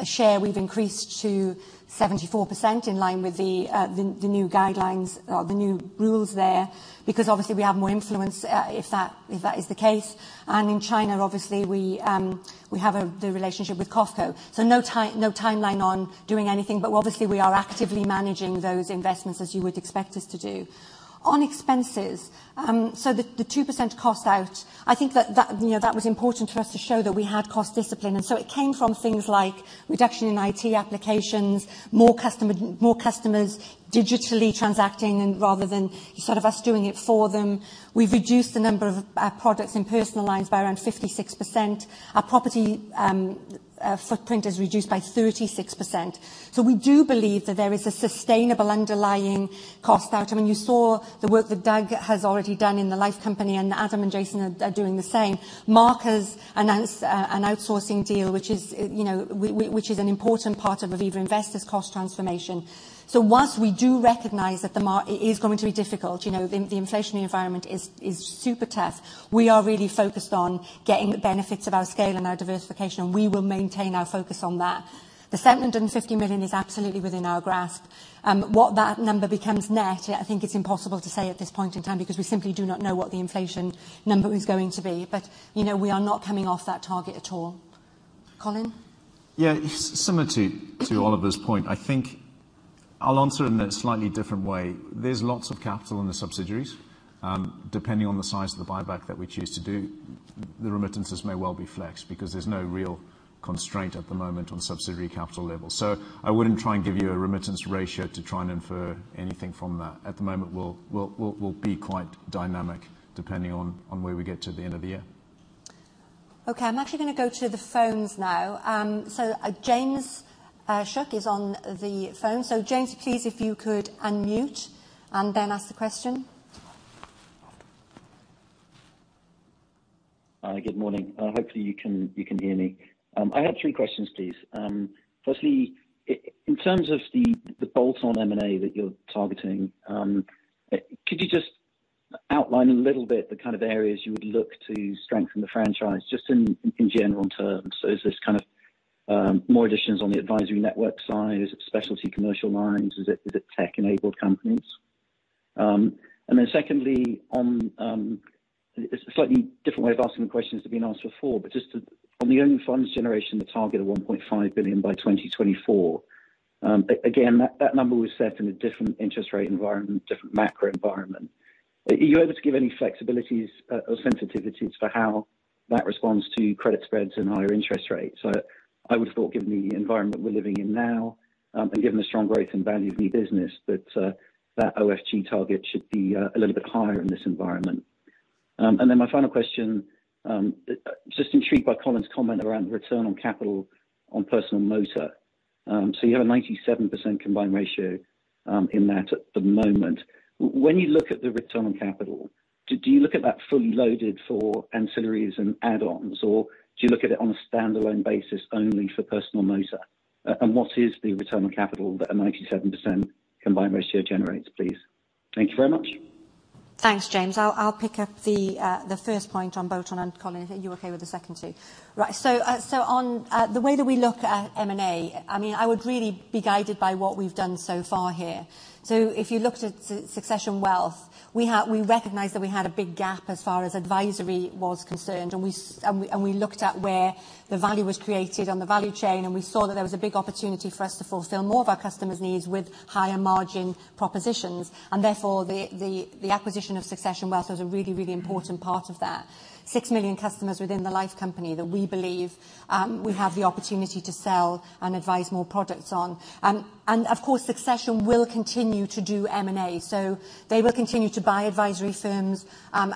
[SPEAKER 1] share we've increased to 74% in line with the new guidelines or the new rules there because obviously we have more influence if that is the case. In China, obviously we have the relationship with COFCO. No timeline on doing anything. Obviously we are actively managing those investments as you would expect us to do. On expenses, the 2% cost out, I think that, you know, that was important for us to show that we had cost discipline. It came from things like reduction in IT applications, more customers digitally transacting and rather than sort of us doing it for them. We've reduced the number of our products in personal lines by around 56%. Our property footprint is reduced by 36%. We do believe that there is a sustainable underlying cost out. I mean, you saw the work that Doug has already done in the life company, and Adam and Jason are doing the same. Mark has announced an outsourcing deal, which is, you know, an important part of Aviva Investors' cost transformation. While we do recognize that it is going to be difficult, you know, the inflationary environment is super tough, we are really focused on getting the benefits of our scale and our diversification, and we will maintain our focus on that. The 750 million is absolutely within our grasp. What that number becomes net, I think it's impossible to say at this point in time because we simply do not know what the inflation number is going to be. You know, we are not coming off that target at all. Colin?
[SPEAKER 2] Yeah. Similar to Oliver's point, I think I'll answer in a slightly different way. There's lots of capital in the subsidiaries. Depending on the size of the buyback that we choose to do, the remittances may well be flexed because there's no real constraint at the moment on subsidiary capital levels. I wouldn't try and give you a remittance ratio to try and infer anything from that. At the moment, we'll be quite dynamic depending on where we get to the end of the year.
[SPEAKER 1] Okay. I'm actually gonna go to the phones now. James Shuck is on the phone. James, please if you could unmute and then ask the question.
[SPEAKER 9] Good morning. Hopefully you can hear me. I have three questions please. Firstly, in terms of the bolt-on M&A that you're targeting, could you just outline a little bit the kind of areas you would look to strengthen the franchise just in general terms? Is this kind of more additions on the advisory network side? Is it specialty commercial lines? Is it tech-enabled companies? And then secondly, it's a slightly different way of asking the question that's been asked before, but just to on the own funds generation, the target of 1.5 billion by 2024, again that number was set in a different interest rate environment, different macro environment. Are you able to give any flexibilities or sensitivities for how that responds to credit spreads and higher interest rates? I would have thought given the environment we're living in now, and given the strong growth and value of new business that that OFG target should be a little bit higher in this environment. Then my final question, just intrigued by Colin's comment around return on capital on personal motor. You have a 97% combined ratio in that at the moment. When you look at the return on capital, do you look at that fully loaded for ancillaries and add-ons, or do you look at it on a standalone basis only for personal motor? What is the return on capital that a 97% combined ratio generates, please? Thank you very much.
[SPEAKER 1] Thanks, James. I'll pick up the first point on bolt-on, and Colin, are you okay with the second two? Right. On the way that we look at M&A, I mean, I would really be guided by what we've done so far here. If you looked at Succession Wealth, we recognized that we had a big gap as far as advisory was concerned, and we looked at where the value was created on the value chain, and we saw that there was a big opportunity for us to fulfill more of our customers' needs with higher margin propositions. Therefore, the acquisition of Succession Wealth was a really important part of that. 6 million customers within the Life company that we believe we have the opportunity to sell and advise more products on. Of course, Succession will continue to do M&A, so they will continue to buy advisory firms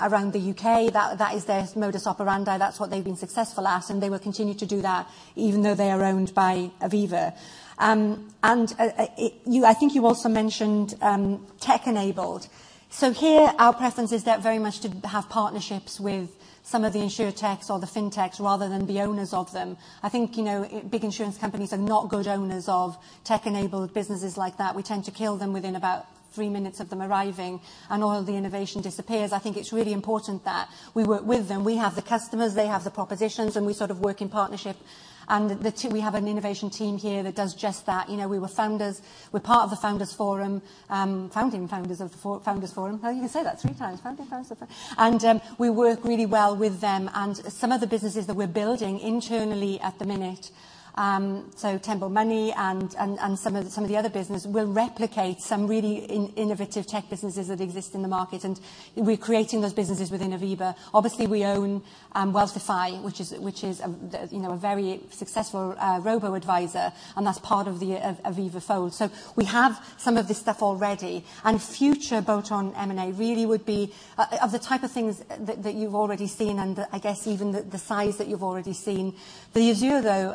[SPEAKER 1] around the UK. That is their modus operandi. That's what they've been successful at, and they will continue to do that even though they are owned by Aviva. I think you also mentioned tech-enabled. Here our preference is that very much to have partnerships with some of the insurtechs or the fintechs rather than be owners of them. I think, you know, big insurance companies are not good owners of tech-enabled businesses like that. We tend to kill them within about 3 minutes of them arriving, and all the innovation disappears. I think it's really important that we work with them. We have the customers, they have the propositions, and we sort of work in partnership. We have an innovation team here that does just that. You know, we were founders. We're part of the Founders Forum, founding founders of the Founders Forum. Well, you can say that three times. We work really well with them. Some of the businesses that we're building internally at the minute, so Tembo Money and some of the other businesses will replicate some really innovative tech businesses that exist in the market, and we're creating those businesses within Aviva. Obviously, we own Wealthify, which is a very successful robo-advisor, and that's part of the Aviva fold. We have some of this stuff already. Future bolt-on M&A really would be of the type of things that you've already seen, and I guess even the size that you've already seen. The Azur though,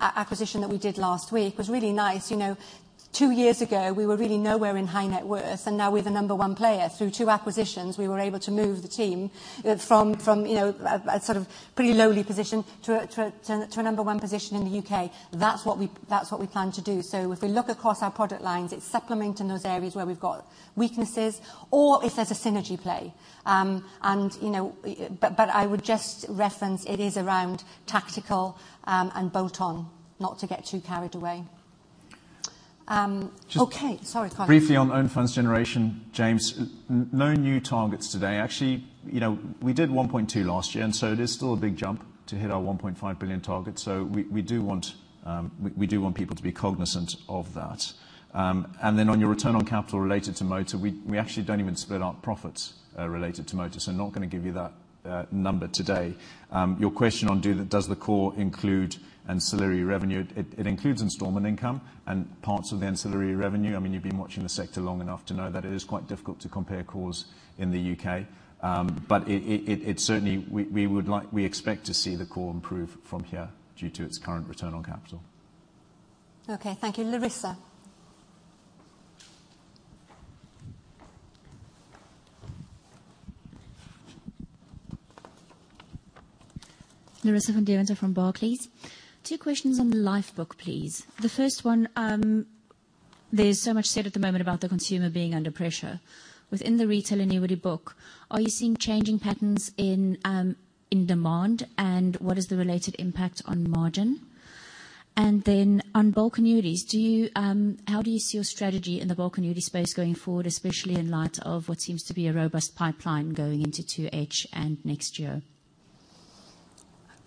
[SPEAKER 1] acquisition that we did last week was really nice. You know, two years ago, we were really nowhere in high net worth, and now we're the number one player. Through two acquisitions, we were able to move the team from, you know, a sort of pretty lowly position to a number one position in the UK. That's what we plan to do. If we look across our product lines, it's supplementing those areas where we've got weaknesses or if there's a synergy play. You know. I would just reference it is around tactical, and bolt-on, not to get too carried away. Okay. Sorry, Colin.
[SPEAKER 2] Just briefly on own funds generation, James. No new targets today. Actually, you know, we did 1.2 billion last year, so it is still a big jump to hit our 1.5 billion target. We do want people to be cognizant of that. On your return on capital related to motor, we actually don't even split out profits related to motor, so I'm not gonna give you that number today. Your question on, does the core include ancillary revenue? It includes installment income and parts of the ancillary revenue. I mean, you've been watching the sector long enough to know that it is quite difficult to compare cores in the UK. We expect to see the core improve from here due to its current return on capital.
[SPEAKER 1] Okay. Thank you, Larissa.
[SPEAKER 10] Larissa van Deventer from Barclays. Two questions on the Life book, please. The first one, there's so much said at the moment about the consumer being under pressure. Within the retail annuity book, are you seeing changing patterns in demand, and what is the related impact on margin? Then on bulk annuities, do you see your strategy in the bulk annuity space going forward, especially in light of what seems to be a robust pipeline going into 2H and next year?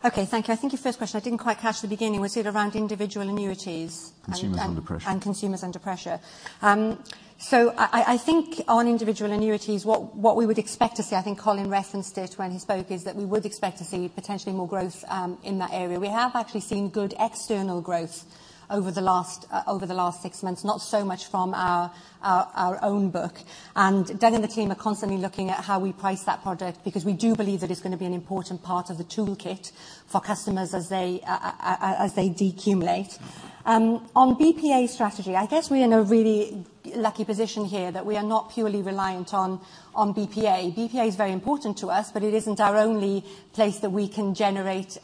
[SPEAKER 1] Okay, thank you. I think your first question, I didn't quite catch the beginning. Was it around individual annuities and-
[SPEAKER 2] Consumers under pressure.
[SPEAKER 1] Consumers under pressure. I think on individual annuities, what we would expect to see, I think Colin referenced it when he spoke, is that we would expect to see potentially more growth in that area. We have actually seen good external growth over the last six months, not so much from our own book. Doug and the team are constantly looking at how we price that product because we do believe that it's gonna be an important part of the toolkit for customers as they decumulate. On BPA strategy, I guess we're in a really lucky position here that we are not purely reliant on BPA. BPA is very important to us, but it isn't our only place that we can generate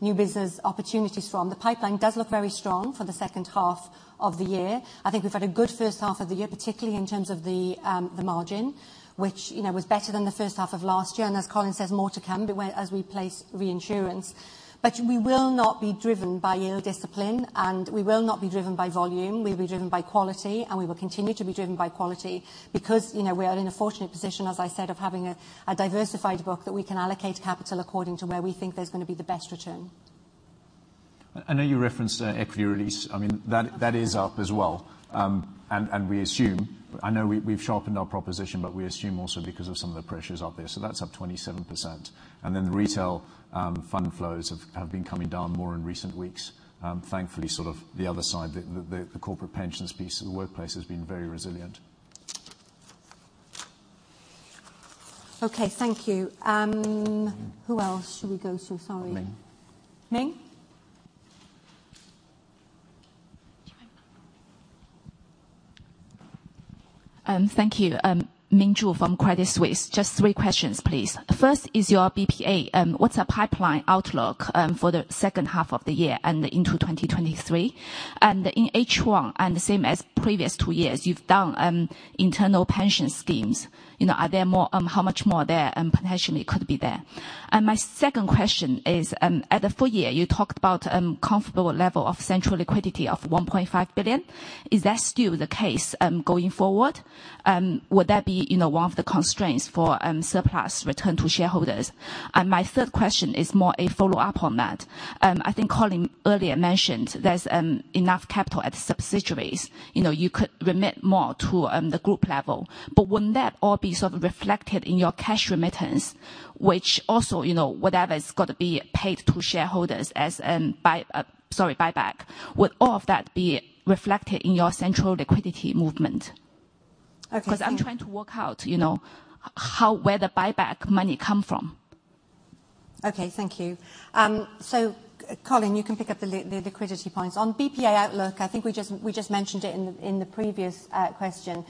[SPEAKER 1] new business opportunities from. The pipeline does look very strong for the second half of the year. I think we've had a good first half of the year, particularly in terms of the margin, which, you know, was better than the first half of last year. As Colin says, more to come, as we place re-insurance. We will not be driven by yield discipline, and we will not be driven by volume. We'll be driven by quality, and we will continue to be driven by quality because, you know, we are in a fortunate position, as I said, of having a diversified book that we can allocate capital according to where we think there's gonna be the best return.
[SPEAKER 2] I know you referenced equity release. I mean, that is up as well. We assume, I know we've sharpened our proposition, but we assume also because of some of the pressures out there. That's up 27%. Retail fund flows have been coming down more in recent weeks. Thankfully, sort of the other side, the corporate pensions piece of the workplace has been very resilient.
[SPEAKER 1] Okay, thank you. Who else should we go to? Sorry.
[SPEAKER 2] Ming.
[SPEAKER 1] Ming?
[SPEAKER 11] Thank you. Ming Zhu from Credit Suisse. Just three questions, please. First is your BPA. What's the pipeline outlook for the second half of the year and into 2023? In H1 and the same as previous two years, you've done internal pension schemes. You know, are there more, how much more there and potentially could be there? My second question is, at the full year, you talked about comfortable level of central liquidity of 1.5 billion. Is that still the case going forward? Would that be, you know, one of the constraints for surplus return to shareholders? My third question is more a follow-up on that. I think Colin earlier mentioned there's enough capital at subsidiaries. You know, you could remit more to the group level. Wouldn't that all be sort of reflected in your cash remittance, which also, you know, whatever's gotta be paid to shareholders as buyback? Would all of that be reflected in your central liquidity movement?
[SPEAKER 1] Okay, thank you.
[SPEAKER 11] 'Cause I'm trying to work out, you know, how where the buyback money come from.
[SPEAKER 1] Okay, thank you. So Colin, you can pick up the liquidity points. On BPA outlook, I think we just mentioned it in the previous question.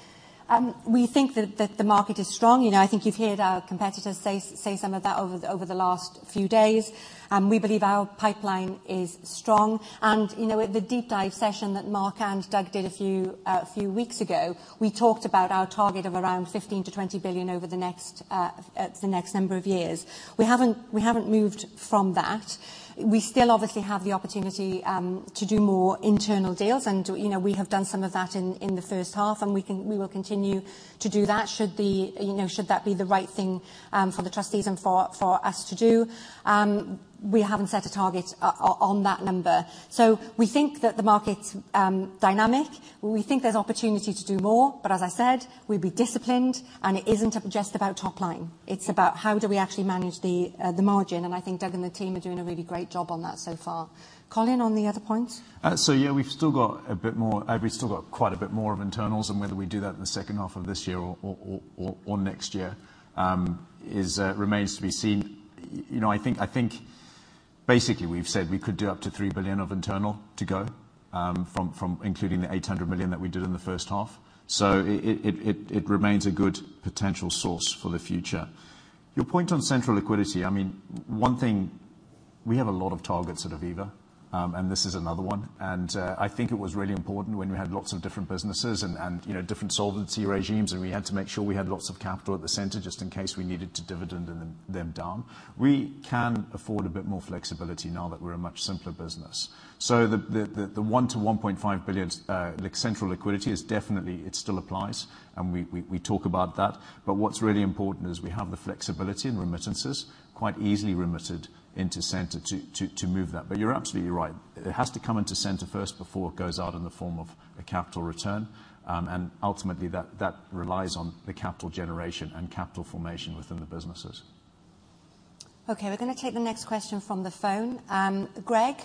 [SPEAKER 1] We think that the market is strong. You know, I think you've heard our competitors say some of that over the last few days. We believe our pipeline is strong. You know, at the deep dive session that Mark and Doug did a few weeks ago, we talked about our target of around 15 billion-20 billion over the next number of years. We haven't moved from that. We still obviously have the opportunity to do more internal deals and, you know, we have done some of that in the first half, and we will continue to do that should that be the right thing for the trustees and for us to do. We haven't set a target on that number. We think that the market's dynamic. We think there's opportunity to do more, but as I said, we'll be disciplined, and it isn't just about top line. It's about how do we actually manage the margin, and I think Doug and the team are doing a really great job on that so far. Colin, on the other points.
[SPEAKER 2] Yeah, we've still got a bit more. We've still got quite a bit more of internals and whether we do that in the second half of this year or next year remains to be seen. You know, I think basically we've said we could do up to 3 billion of internal to go, from including the 800 million that we did in the first half. It remains a good potential source for the future. Your point on central liquidity, I mean, one thing, we have a lot of targets at Aviva, and this is another one, and I think it was really important when we had lots of different businesses and, you know, different solvency regimes, and we had to make sure we had lots of capital at the center just in case we needed to dividend them down. We can afford a bit more flexibility now that we're a much simpler business. The 1-1.5 billion central liquidity is definitely it still applies, and we talk about that. What's really important is we have the flexibility and remittances quite easily remitted into center to move that. You're absolutely right. It has to come into center first before it goes out in the form of a capital return. Ultimately, that relies on the capital generation and capital formation within the businesses.
[SPEAKER 1] Okay, we're gonna take the next question from the phone. Greg,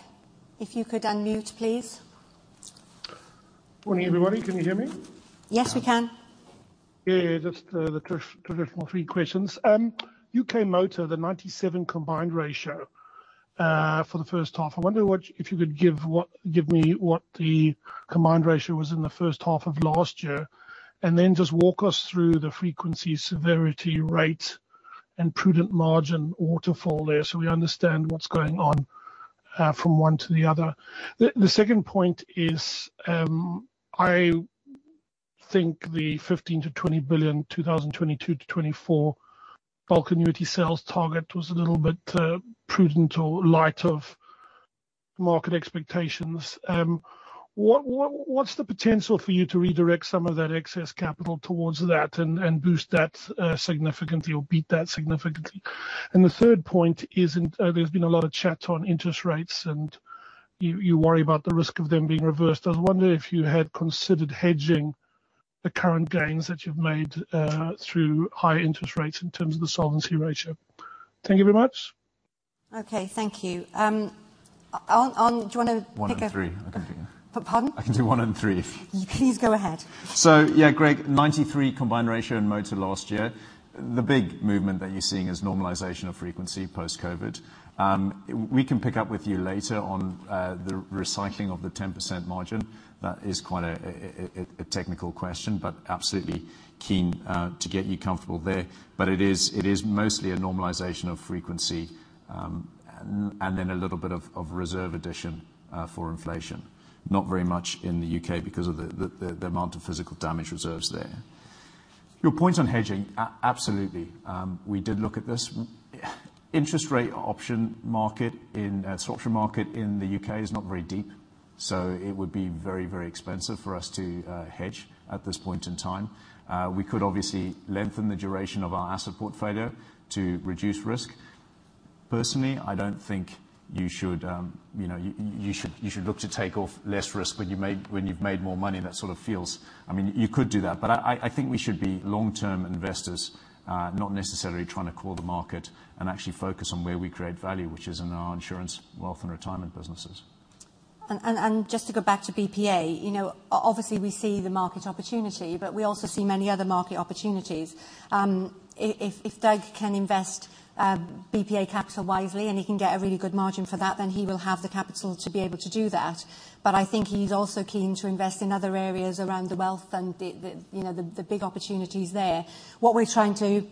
[SPEAKER 1] if you could unmute, please.
[SPEAKER 12] Morning, everybody. Can you hear me?
[SPEAKER 1] Yes, we can.
[SPEAKER 12] Yeah, yeah. Just the traditional three questions. UK Motor, the 97 combined ratio for the first half. If you could give me what the combined ratio was in the first half of last year, and then just walk us through the frequency, severity, rate, and prudent margin waterfall there so we understand what's going on from one to the other. The second point is, I think the 15 billion-20 billion, 2022-2024 bulk annuity sales target was a little bit prudent or light of market expectations. What's the potential for you to redirect some of that excess capital towards that and boost that significantly or beat that significantly? The third point is there's been a lot of chat on interest rates, and you worry about the risk of them being reversed. I was wondering if you had considered hedging the current gains that you've made through high interest rates in terms of the solvency ratio. Thank you very much.
[SPEAKER 1] Okay, thank you. Alan, do you wanna pick up?
[SPEAKER 2] 1 and 3. I can do.
[SPEAKER 1] P-pardon?
[SPEAKER 2] I can do one and three.
[SPEAKER 1] Please go ahead.
[SPEAKER 2] Yeah, Greg, 93 combined ratio in motor last year. The big movement that you're seeing is normalization of frequency post-COVID. We can pick up with you later on the recycling of the 10% margin. That is quite a technical question, but absolutely keen to get you comfortable there. It is mostly a normalization of frequency, and then a little bit of reserve addition for inflation. Not very much in the UK because of the amount of physical damage reserves there. Your point on hedging, absolutely, we did look at this. Interest rate options market and structured market in the UK is not very deep, so it would be very expensive for us to hedge at this point in time. We could obviously lengthen the duration of our asset portfolio to reduce risk. Personally, I don't think you should look to take off less risk when you've made more money, that sort of feels. I mean, you could do that. I think we should be long-term investors, not necessarily trying to call the market and actually focus on where we create value, which is in our insurance, wealth, and retirement businesses.
[SPEAKER 1] Just to go back to BPA, you know, obviously we see the market opportunity, but we also see many other market opportunities. If Doug can invest BPA capital wisely, and he can get a really good margin for that, then he will have the capital to be able to do that. But I think he's also keen to invest in other areas around the wealth and the, you know, the big opportunities there. What we're trying to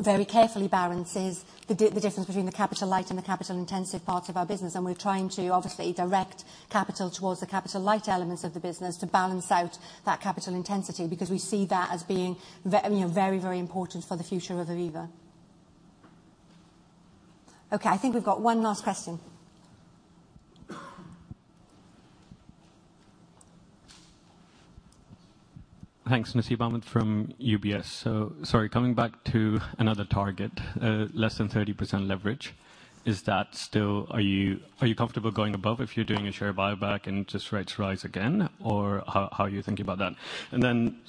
[SPEAKER 1] very carefully balance is the difference between the capital light and the capital intensive parts of our business, and we're trying to obviously direct capital towards the capital light elements of the business to balance out that capital intensity, because we see that as being very, you know, very, very important for the future of Aviva. Okay, I think we've got one last question.
[SPEAKER 13] Thanks. Nasib Ahmed from UBS. Sorry, coming back to another target, less than 30% leverage. Are you comfortable going above if you're doing a share buyback and just rates rise again? Or how are you thinking about that? And then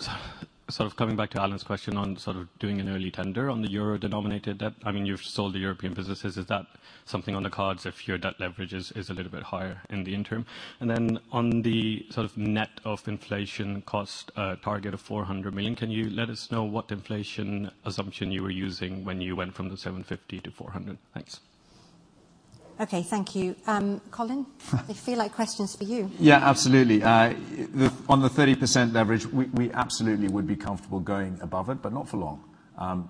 [SPEAKER 13] sort of coming back to Alan's question on sort of doing an early tender on the euro-denominated debt. I mean, you've sold the European businesses. Is that something on the cards if your debt leverage is a little bit higher in the interim? And then on the sort of net of inflation cost target of 400 million, can you let us know what inflation assumption you were using when you went from the 750 million to 400 million? Thanks.
[SPEAKER 1] Okay, thank you. Colin, these feel like questions for you.
[SPEAKER 2] Yeah, absolutely. On the 30% leverage, we absolutely would be comfortable going above it, but not for long.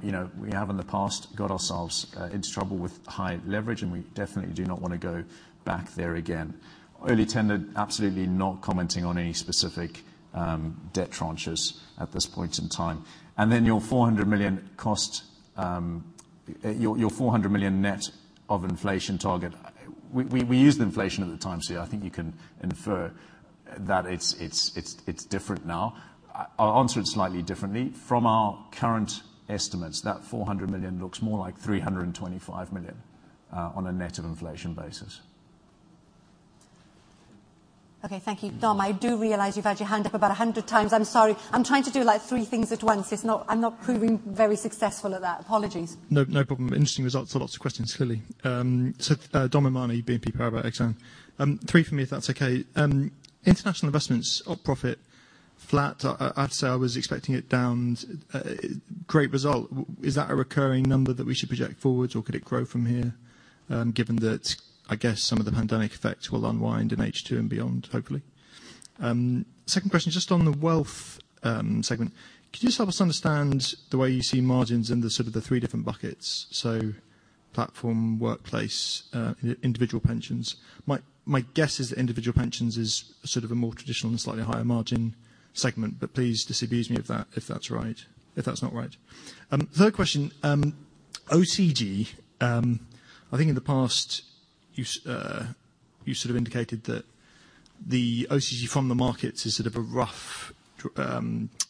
[SPEAKER 2] You know, we have in the past got ourselves into trouble with high leverage, and we definitely do not wanna go back there again. Early tender, absolutely not commenting on any specific debt tranches at this point in time. Then your 400 million cost, your 400 million net of inflation target, we used inflation at the time, so yeah I think you can infer that it's different now. I'll answer it slightly differently. From our current estimates, that 400 million looks more like 325 million on a net of inflation basis.
[SPEAKER 1] Okay, thank you. Dom, I do realize you've had your hand up about 100 times. I'm sorry. I'm trying to do like 3 things at once. It's not. I'm not proving very successful at that. Apologies.
[SPEAKER 14] No, no problem. Interesting results, lots of questions, clearly. Dominic O'Mahony, BNP Paribas Exane. Three for me if that's okay. International investments operating profit flat. I'd say I was expecting it down. Great result. Is that a recurring number that we should project forward or could it grow from here, given that I guess some of the pandemic effects will unwind in H2 and beyond, hopefully? Second question, just on the wealth segment, could you just help us understand the way you see margins in sort of the three different buckets? Platform, workplace, individual pensions. My guess is individual pensions is sort of a more traditional and slightly higher margin segment, but please disabuse me of that if that's right, if that's not right. Third question, OCG. I think in the past you sort of indicated that the OCG from the markets is sort of a rough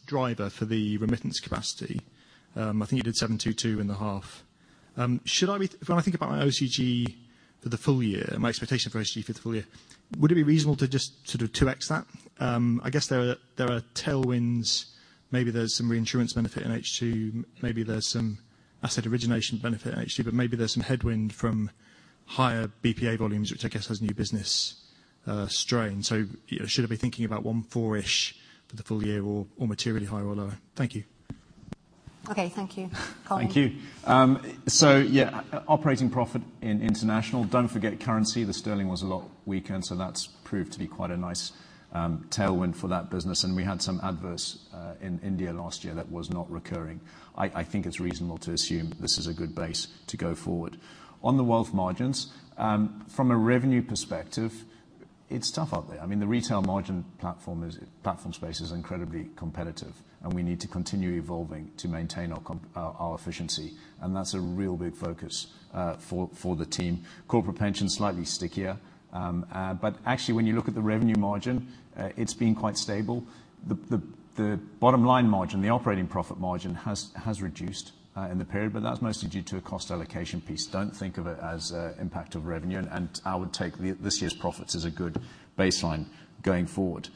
[SPEAKER 14] driver for the remittance capacity. I think you did 722 in the half. When I think about my OCG for the full year, my expectation for OCG for the full year, would it be reasonable to just sort of 2x that? I guess there are tailwinds, maybe there's some reinsurance benefit in H2, maybe there's some asset origination benefit in H2, but maybe there's some headwind from higher BPA volumes, which I guess has new business strain. Should I be thinking about 1,400-ish for the full year or materially higher or lower? Thank you.
[SPEAKER 1] Okay, thank you. Colin.
[SPEAKER 2] Thank you. Yeah, operating profit in international, don't forget currency. The sterling was a lot weaker, and that's proved to be quite a nice tailwind for that business. We had some adverse in India last year that was not recurring. I think it's reasonable to assume this is a good base to go forward. On the wealth margins, from a revenue perspective, it's tough out there. I mean, the retail margin platform space is incredibly competitive and we need to continue evolving to maintain our efficiency. That's a real big focus for the team. Corporate pension's slightly stickier. Actually, when you look at the revenue margin, it's been quite stable. The bottom line margin, the operating profit margin has reduced in the period, but that's mostly due to a cost allocation piece. Don't think of it as impact of revenue, and I would take this year's profits as a good baseline going forward.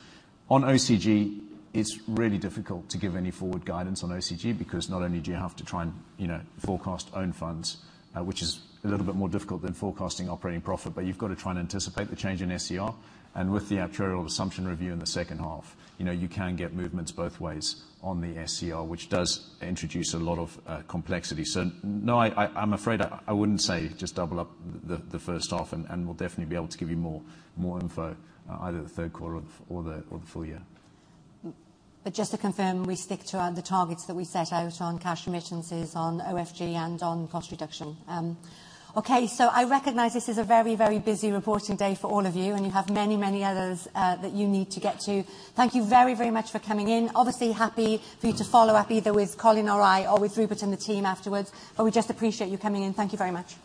[SPEAKER 2] On OCG, it's really difficult to give any forward guidance on OCG because not only do you have to try and, you know, forecast own funds, which is a little bit more difficult than forecasting operating profit, but you've got to try and anticipate the change in SCR. With the actuarial assumption review in the second half, you know, you can get movements both ways on the SCR, which does introduce a lot of complexity. No, I'm afraid I wouldn't say just double up the first half, and we'll definitely be able to give you more info either at the third quarter or the full year.
[SPEAKER 1] Just to confirm, we stick to the targets that we set out on cash remittances, on OFG, and on cost reduction. Okay. I recognize this is a very, very busy reporting day for all of you, and you have many, many others that you need to get to. Thank you very, very much for coming in. Obviously happy for you to follow up either with Colin or I or with Rupert and the team afterwards, but we just appreciate you coming in. Thank you very much.